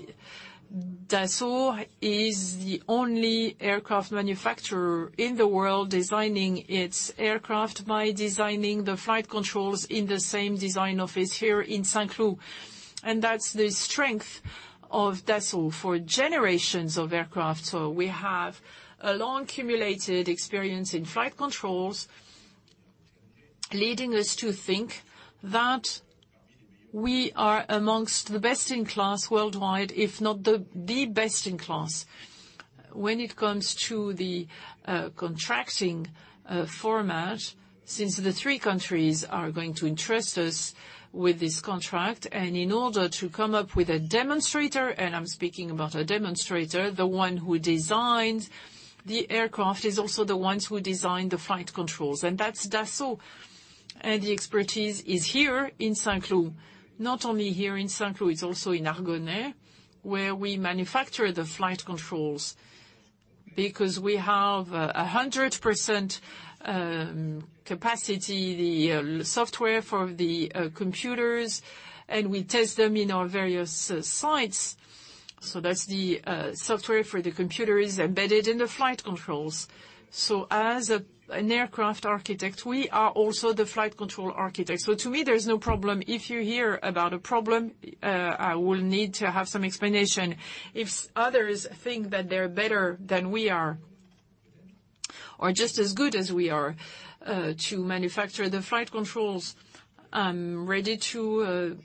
Dassault is the only aircraft manufacturer in the world designing its aircraft by designing the flight controls in the same design office here in Saint-Cloud. That's the strength of Dassault for generations of aircraft. We have a long accumulated experience in flight controls, leading us to think that we are amongst the best in class worldwide, if not the best in class. When it comes to the contracting format, since the three countries are going to entrust us with this contract and in order to come up with a demonstrator, and I'm speaking about a demonstrator, the one who designs the aircraft is also the ones who design the flight controls, and that's Dassault. The expertise is here in Saint-Cloud. Not only here in Saint-Cloud, it's also in Argonay, where we manufacture the flight controls because we have 100% capacity, the software for the computers, and we test them in our various sites. That's the software for the computer is embedded in the flight controls. As an aircraft architect, we are also the flight control architect. To me, there's no problem. If you hear about a problem, I will need to have some explanation. If others think that they're better than we are or just as good as we are to manufacture the flight controls, I'm ready to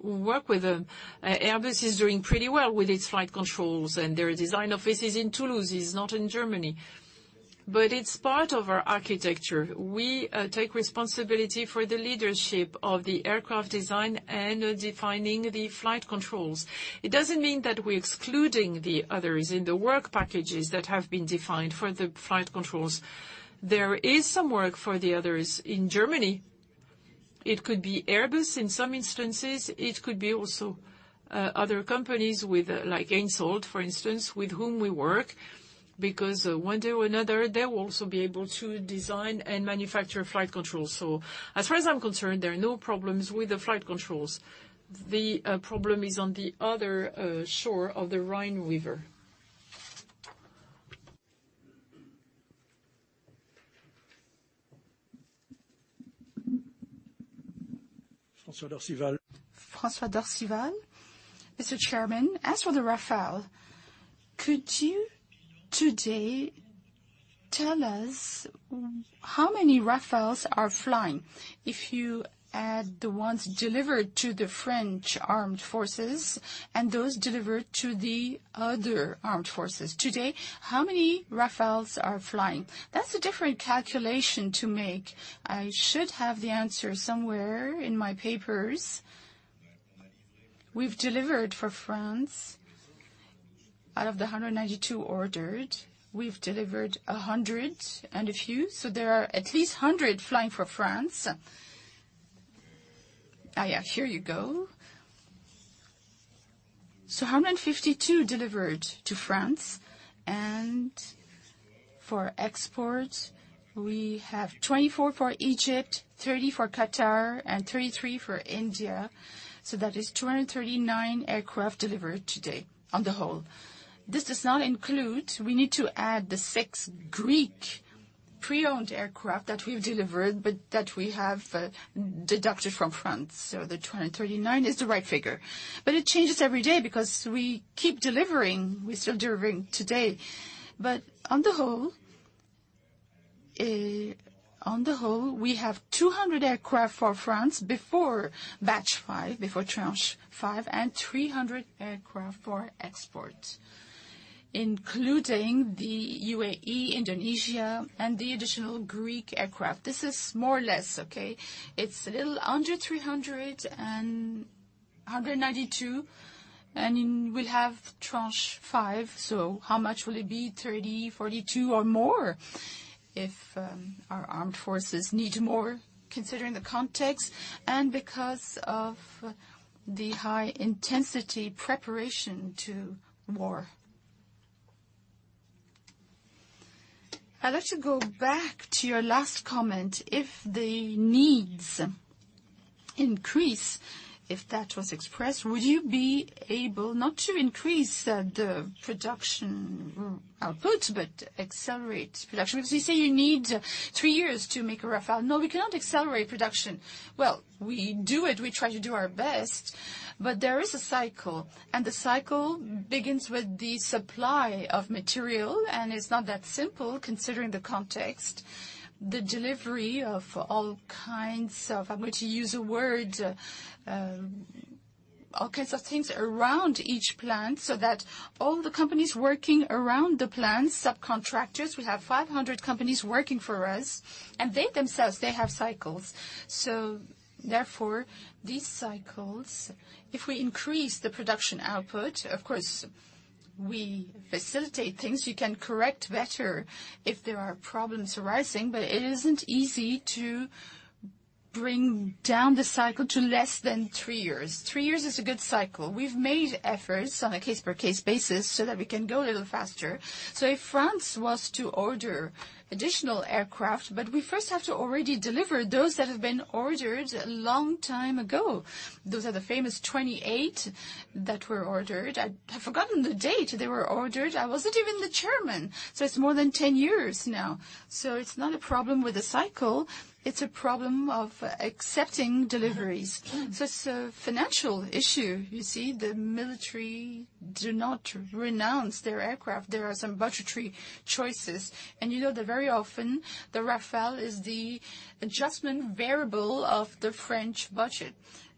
work with them. Airbus is doing pretty well with its flight controls, and their design office is in Toulouse. It's not in Germany. It's part of our architecture. We take responsibility for the leadership of the aircraft design and defining the flight controls. It doesn't mean that we're excluding the others in the work packages that have been defined for the flight controls. There is some work for the others in Germany. It could be Airbus in some instances. It could be also other companies with, like, HENSOLDT, for instance, with whom we work, because one way or another, they will also be able to design and manufacture flight controls. As far as I'm concerned, there are no problems with the flight controls. The problem is on the other shore of the Rhine River. François d'Orcival. Mr. Chairman, as for the Rafale, could you today tell us how many Rafales are flying? If you add the ones delivered to the French armed forces and those delivered to the other armed forces. Today, how many Rafales are flying? That's a different calculation to make. I should have the answer somewhere in my papers. We've delivered for France. Out of the 192 ordered, we've delivered 100 and a few, so there are at least 100 flying for France. 152 delivered to France. For export, we have 24 for Egypt, 30 for Qatar and 33 for India. That is 239 aircraft delivered today on the whole. This does not include. We need to add the 6 Greek pre-owned aircraft that we've delivered, but that we have deducted from France. The 239 is the right figure. It changes every day because we keep delivering. We're still delivering today. On the whole, we have 200 aircraft for France before Tranche 5, and 300 aircraft for export, including the UAE, Indonesia and the additional Greek aircraft. This is more or less, okay? It's a little under 392, and we'll have Tranche 5. How much will it be? 30, 42 or more if our armed forces need more considering the context and because of the high intensity preparation to war. I'd like to go back to your last comment. If the needs increase, if that was expressed, would you be able not to increase the production output, but accelerate production? Because you say you need three years to make a Rafale. No, we cannot accelerate production. Well, we do it. We try to do our best. There is a cycle, and the cycle begins with the supply of material, and it's not that simple considering the context. The delivery of all kinds of, I'm going to use a word, all kinds of things around each plant, so that all the companies working around the plant, subcontractors, we have 500 companies working for us, and they themselves, they have cycles. Therefore, these cycles, if we increase the production output, of course, we facilitate things. You can correct better if there are problems arising, but it isn't easy to bring down the cycle to less than three years. Three years is a good cycle. We've made efforts on a case-by-case basis so that we can go a little faster. If France was to order additional aircraft, but we first have to already deliver those that have been ordered a long time ago. Those are the famous 28 that were ordered. I've forgotten the date they were ordered. I wasn't even the chairman. It's more than 10 years now. It's not a problem with the cycle, it's a problem of accepting deliveries. It's a financial issue. You see, the military do not renounce their aircraft. There are some budgetary choices. You know that very often, the Rafale is the adjustment variable of the French budget.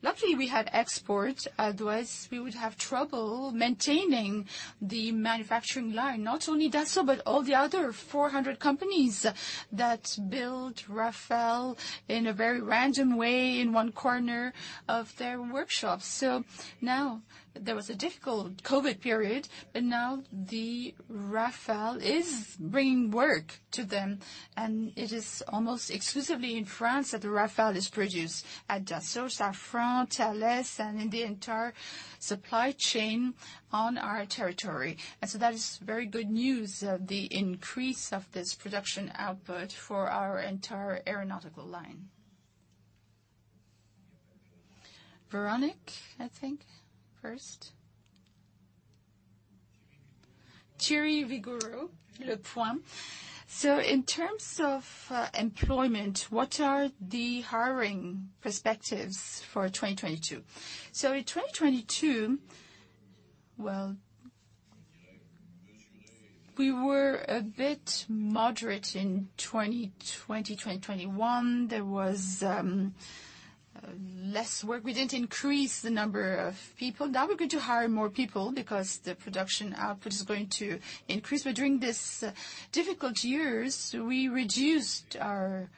Luckily, we had export, otherwise we would have trouble maintaining the manufacturing line. Not only Dassault, but all the other 400 companies that build Rafale in a very random way in one corner of their workshops. Now there was a difficult COVID period, but now the Rafale is bringing work to them. It is almost exclusively in France that the Rafale is produced at Dassault, Safran, Thales and in the entire supply chain on our territory. That is very good news of the increase of this production output for our entire aeronautical line. Véronique, I think, first. Thierry Vigoureux, Le Point. In terms of employment, what are the hiring perspectives for 2022? In 2022, well, we were a bit moderate in 2020, 2021. There was less work. We didn't increase the number of people. Now we're going to hire more people because the production output is going to increase. During this difficult years, we reduced our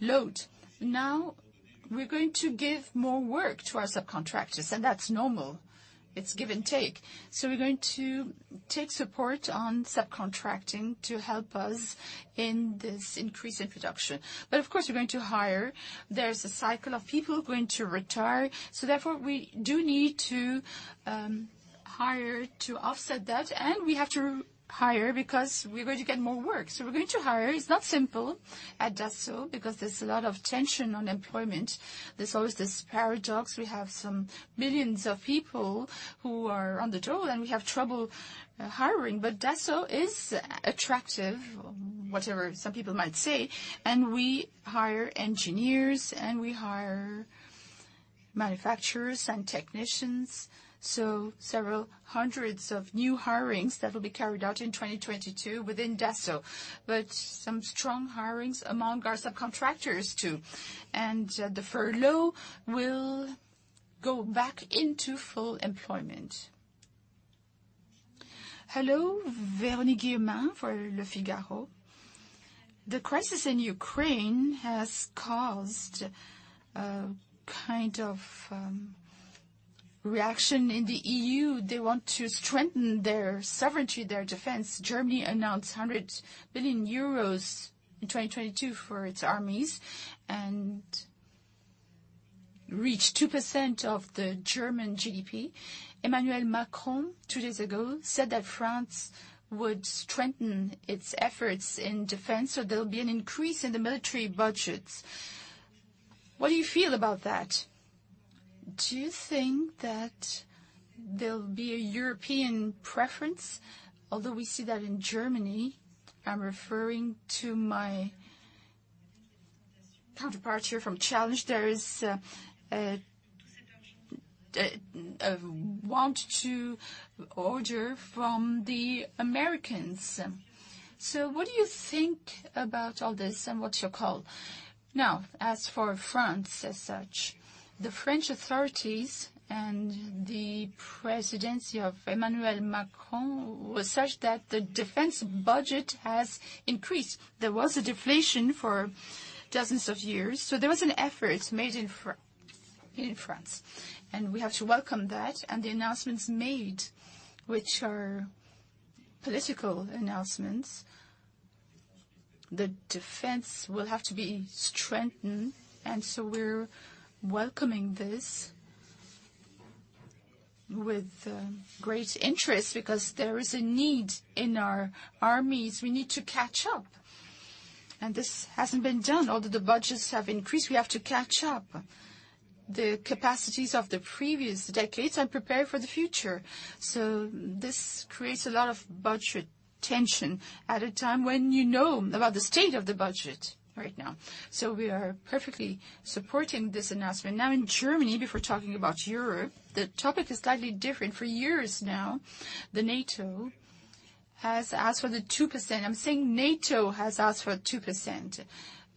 load. Now we're going to give more work to our subcontractors, and that's normal. It's give and take. We're going to take support on subcontracting to help us in this increase in production. Of course, we're going to hire. There's a cycle of people going to retire. Therefore, we do need to hire to offset that. We have to hire because we're going to get more work. We're going to hire. It's not simple at Dassault because there's a lot of tension on employment. There's always this paradox. We have some millions of people who are on the job, and we have trouble hiring. Dassault is attractive, whatever some people might say, and we hire engineers, and we hire manufacturers and technicians. Several hundred new hirings that will be carried out in 2022 within Dassault. Some strong hirings among our subcontractors, too. The furlough will go back into full employment. Hello, Véronique Guillermard for Le Figaro. The crisis in Ukraine has caused a kind of reaction in the EU. They want to strengthen their sovereignty, their defense. Germany announced 100 billion euros in 2022 for its armies and reached 2% of the German GDP. Emmanuel Macron, two days ago, said that France would strengthen its efforts in defense, so there will be an increase in the military budgets. What do you feel about that? Do you think that there will be a European preference? Although we see that in Germany, I'm referring to my counterpart here from Challenges, there is want to order from the Americans. What do you think about all this and what's your call? Now, as for France as such, the French authorities and the presidency of Emmanuel Macron was such that the defense budget has increased. There was a deflation for dozens of years. There was an effort made in France, and we have to welcome that. The announcements made, which are political announcements, the defense will have to be strengthened. We're welcoming this with great interest because there is a need in our armies. We need to catch up. This hasn't been done. Although the budgets have increased, we have to catch up the capacities of the previous decades and prepare for the future. This creates a lot of budget tension at a time when you know about the state of the budget right now. We are perfectly supporting this announcement. Now in Germany, before talking about Europe, the topic is slightly different. For years now, the NATO has asked for the 2%. I'm saying NATO has asked for 2%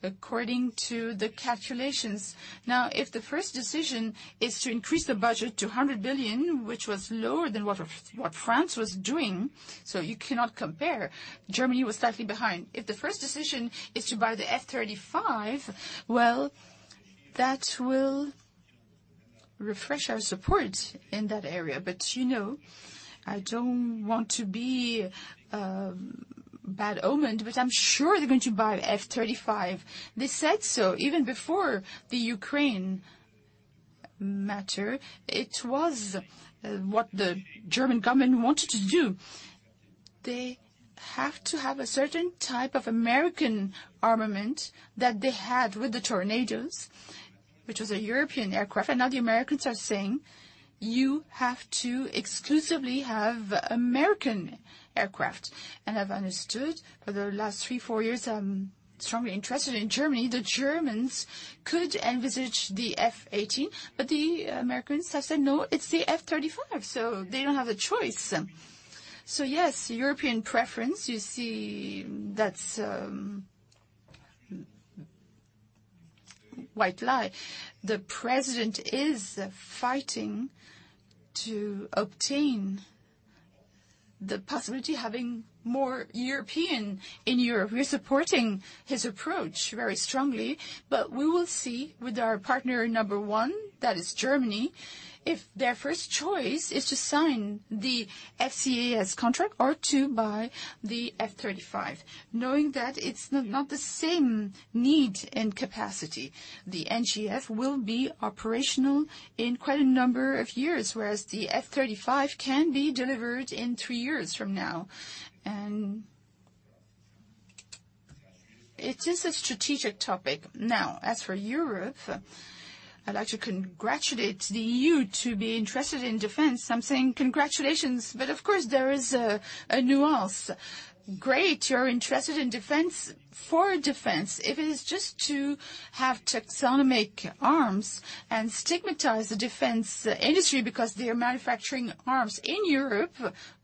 according to the calculations. Now, if the first decision is to increase the budget to 100 billion, which was lower than what France was doing, so you cannot compare. Germany was slightly behind. If the first decision is to buy the F-35, well, that will refresh our support in that area. But you know, I don't want to be a bad omen, but I'm sure they're going to buy F-35. They said so even before the Ukraine matter. It was what the German government wanted to do. They have to have a certain type of American armament that they had with the Tornados, which was a European aircraft. Now the Americans are saying, "You have to exclusively have American aircraft." I've understood for the last three or four years, I'm strongly interested in Germany, the Germans could envisage the F-18, but the Americans have said, "No, it's the F-35." They don't have a choice. Yes, European preference, you see that's a white lie. The president is fighting to obtain the possibility of having more European in Europe. We're supporting his approach very strongly, but we will see with our partner number one, that is Germany, if their first choice is to sign the FCAS contract or to buy the F-35, knowing that it's not the same need and capacity. The NGF will be operational in quite a number of years, whereas the F-35 can be delivered in three years from now. It is a strategic topic. Now, as for Europe, I'd like to congratulate you to be interested in defense. I'm saying congratulations, but of course, there is a nuance. Great, you're interested in defense for defense. If it is just to have taxonomy arms and stigmatize the defense industry because they are manufacturing arms in Europe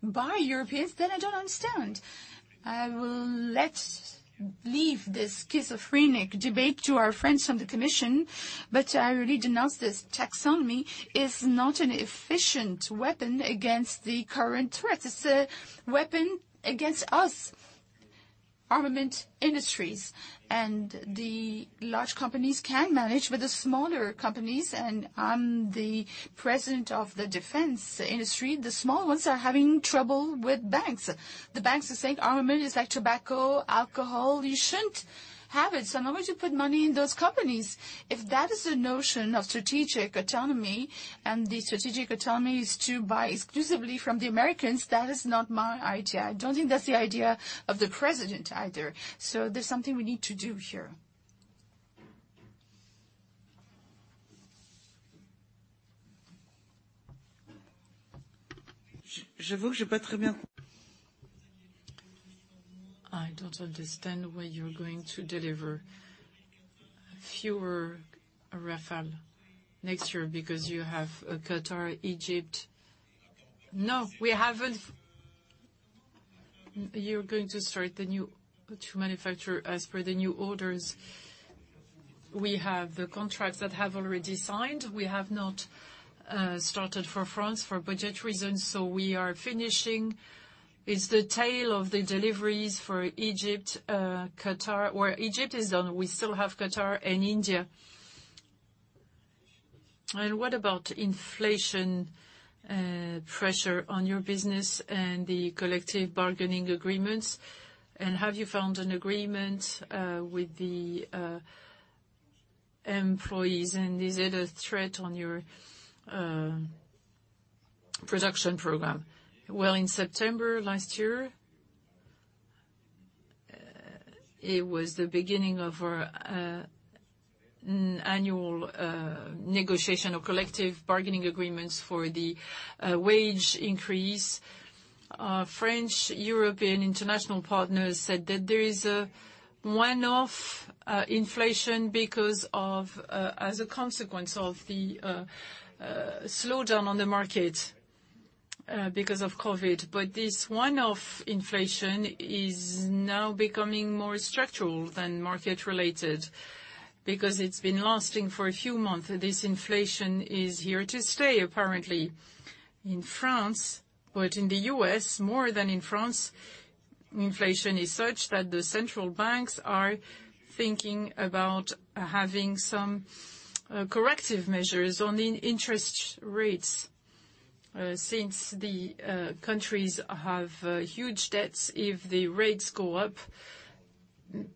by Europeans, then I don't understand. Let's leave this schizophrenic debate to our friends from the commission, but I really denounce this taxonomy is not an efficient weapon against the current threats. It's a weapon against us, armament industries, and the large companies can manage with the smaller companies. I'm the president of the defense industry. The small ones are having trouble with banks. The banks are saying, "Armament is like tobacco, alcohol. You shouldn't have it, so I'm not going to put money in those companies." If that is the notion of strategic autonomy, and the strategic autonomy is to buy exclusively from the Americans, that is not my idea. I don't think that's the idea of the president either. There's something we need to do here. I don't understand why you're going to deliver fewer Rafale next year because you have, Qatar, Egypt. No, we haven't. You're going to start to manufacture as per the new orders. We have the contracts that have already signed. We have not started for France for budget reasons, so we are finishing. It's the tail of the deliveries for Egypt, Qatar, where Egypt is done. We still have Qatar and India. What about inflation, pressure on your business and the collective bargaining agreements? Have you found an agreement with the employees, and is it a threat on your production program? Well, in September last year, it was the beginning of our annual negotiation or collective bargaining agreements for the wage increase. Our French European international partners said that there is a one-off inflation because of, as a consequence of the slowdown on the market because of COVID. But this one-off inflation is now becoming more structural than market-related because it's been lasting for a few months. This inflation is here to stay, apparently, in France, but in the U.S., more than in France, inflation is such that the central banks are thinking about having some corrective measures on the interest rates. Since the countries have huge debts, if the rates go up,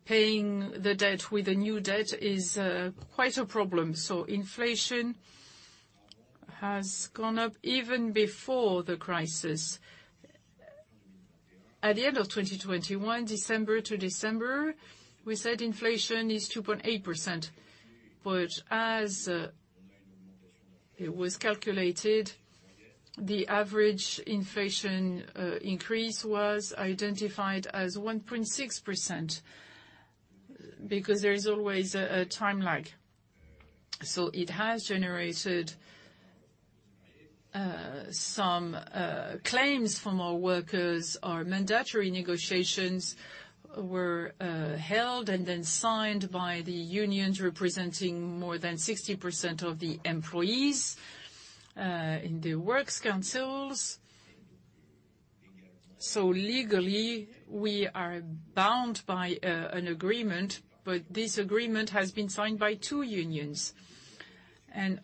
paying the debt with a new debt is quite a problem. Inflation has gone up even before the crisis. At the end of 2021, December to December, we said inflation is 2.8%. But as it was calculated, the average inflation increase was identified as 1.6% because there is always a time lag. It has generated some claims from our workers. Our mandatory negotiations were held and then signed by the unions representing more than 60% of the employees in the works councils. Legally, we are bound by an agreement, but this agreement has been signed by two unions.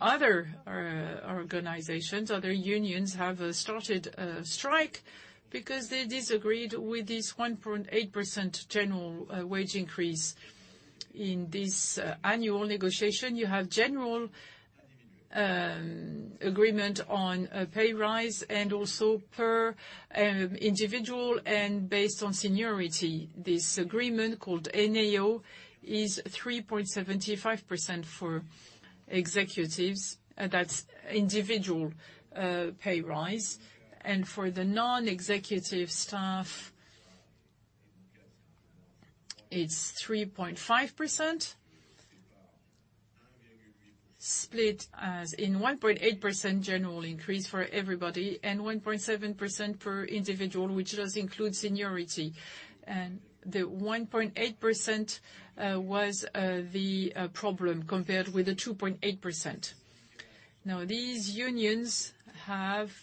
Other organizations, other unions have started a strike because they disagreed with this 1.8% general wage increase. In this annual negotiation, you have general agreement on a pay rise and also per individual and based on seniority. This agreement, called NAO, is 3.75% for executives. That's individual pay rise. For the non-executive staff, it's 3.5%, split as in 1.8% general increase for everybody and 1.7% per individual, which does include seniority. The 1.8% was the problem compared with the 2.8%. Now, these unions have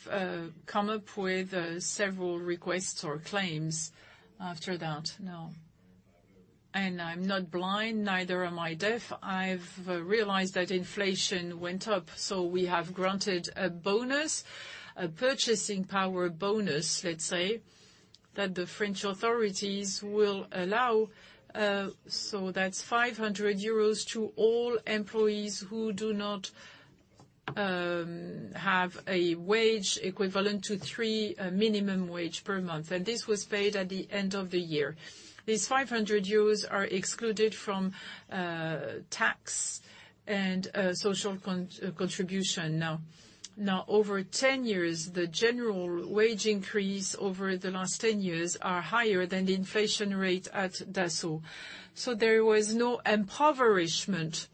come up with several requests or claims after that now. I'm not blind, neither am I deaf. I've realized that inflation went up, so we have granted a bonus, a purchasing power bonus, let's say, that the French authorities will allow. That's 500 euros to all employees who do not have a wage equivalent to three minimum wage per month, and this was paid at the end of the year. These 500 euros are excluded from tax and social contribution now. Over 10 years, the general wage increase over the last 10 years are higher than the inflation rate at Dassault. There was no impoverishment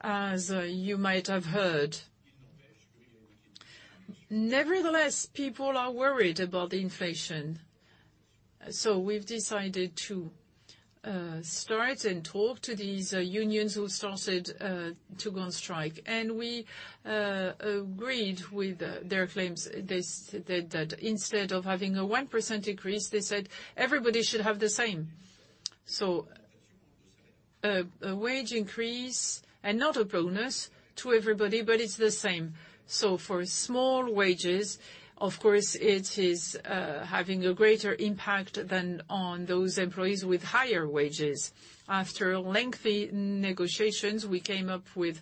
as you might have heard. Nevertheless, people are worried about the inflation, so we've decided to start and talk to these unions who started to go on strike, and we agreed with their claims. They said that instead of having a 1% increase, they said everybody should have the same. A wage increase and not a bonus to everybody, but it's the same. For small wages, of course, it is having a greater impact than on those employees with higher wages. After lengthy negotiations, we came up with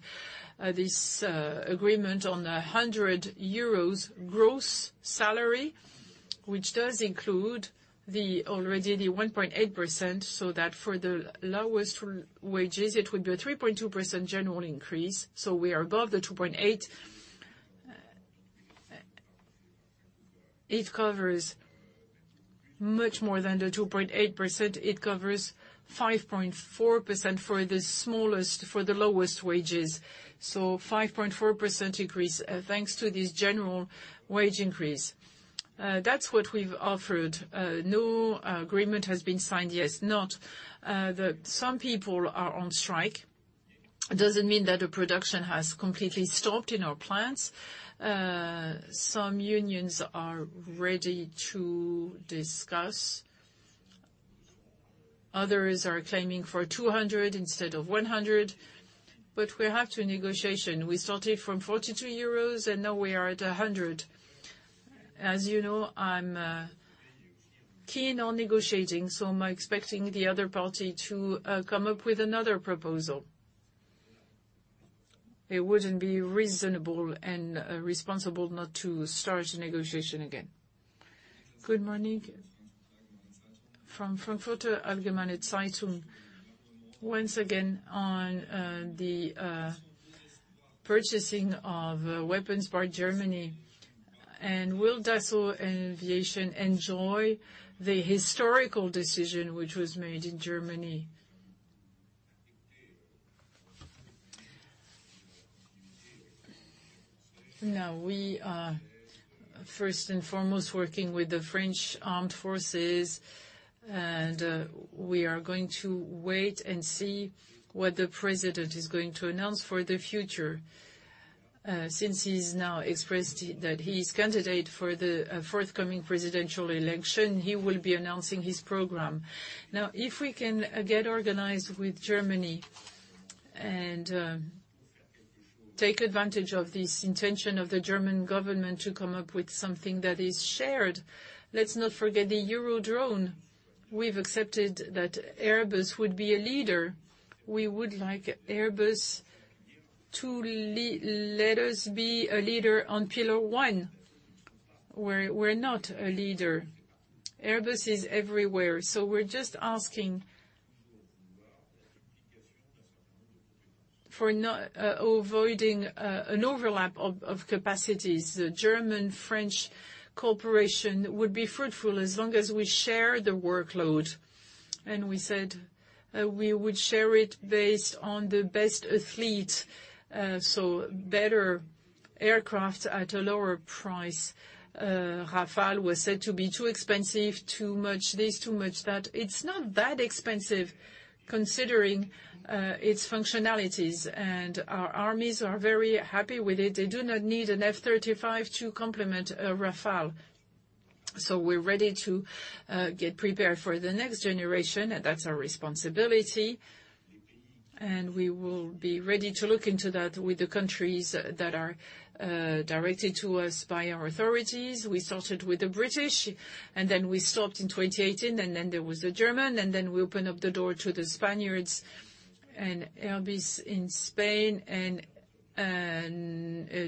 this agreement on a 100 euros gross salary, which does include already the 1.8%, so that for the lowest wages, it would be a 3.2% general increase, so we are above the 2.8%. It covers much more than the 2.8%. It covers 5.4% for the smallest, for the lowest wages, so 5.4% increase, thanks to this general wage increase. That's what we've offered. No agreement has been signed yet. Some people are on strike. It doesn't mean that the production has completely stopped in our plants. Some unions are ready to discuss. Others are claiming for 200 instead of 100, but we have to negotiate. We started from 42 euros, and now we are at 100. As you know, I'm keen on negotiating, so I'm expecting the other party to come up with another proposal. It wouldn't be reasonable and responsible not to start the negotiation again. Good morning. From Frankfurter Allgemeine Zeitung, once again, on the purchasing of weapons by Germany. Will Dassault Aviation enjoy the historical decision which was made in Germany? Now, we are first and foremost working with the French armed forces, and we are going to wait and see what the president is going to announce for the future. Since he's now expressed that he's a candidate for the forthcoming presidential election, he will be announcing his program. Now, if we can get organized with Germany and take advantage of this intention of the German government to come up with something that is shared, let's not forget the Eurodrone. We've accepted that Airbus would be a leader. We would like Airbus to let us be a leader on pillar one. We're not a leader. Airbus is everywhere, so we're just asking for not avoiding an overlap of capacities. The German-French cooperation would be fruitful as long as we share the workload. We said we would share it based on the best aircraft, so better aircraft at a lower price. Rafale was said to be too expensive, too much this, too much that. It's not that expensive considering its functionalities, and our armies are very happy with it. They do not need an F-35 to complement a Rafale. We're ready to get prepared for the next generation. That's our responsibility, and we will be ready to look into that with the countries that are directed to us by our authorities. We started with the British, and then we stopped in 2018, and then there was the German, and then we opened up the door to the Spaniards and Airbus in Spain and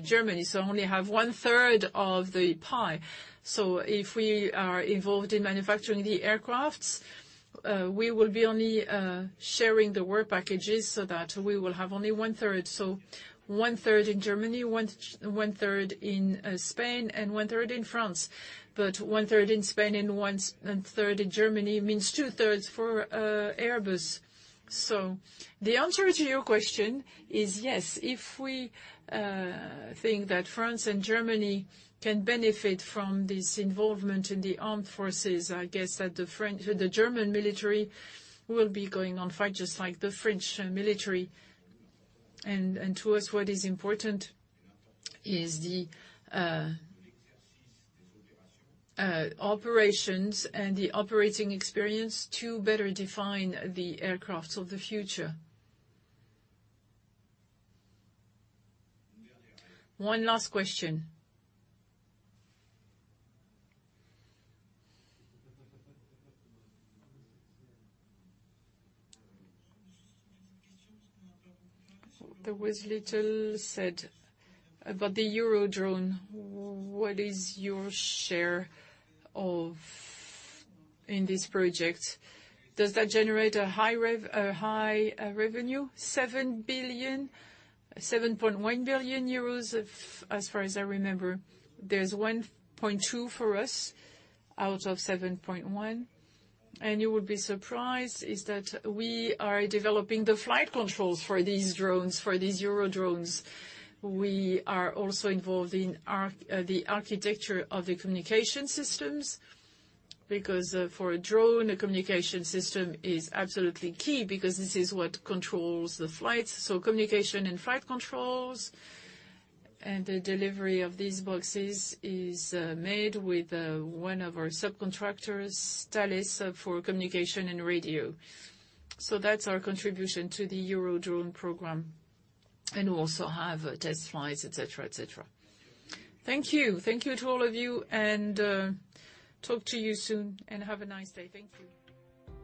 Germany. We only have one third of the pie. If we are involved in manufacturing the aircraft, we will be only sharing the work packages so that we will have only one third. One third in Germany, one third in Spain, and one third in France. One third in Spain and one third in Germany means two thirds for Airbus. The answer to your question is yes. If we think that France and Germany can benefit from this involvement in the armed forces, I guess that the French, the German military will be going to fight just like the French military. To us, what is important is the operations and the operating experience to better define the aircraft of the future. One last question. There was little said about the Eurodrone. What is your share in this project? Does that generate a high revenue? 7 billion, 7.1 billion euros of... As far as I remember, there's 1.2 for us out of 7.1. You would be surprised is that we are developing the flight controls for these drones, for these Eurodrones. We are also involved in the architecture of the communication systems because for a drone, a communication system is absolutely key because this is what controls the flight. So communication and flight controls and the delivery of these boxes is made with one of our subcontractors, Thales, for communication and radio. So that's our contribution to the Eurodrone program, and we also have test flights, etc., etc. Thank you. Thank you to all of you, and talk to you soon, and have a nice day. Thank you.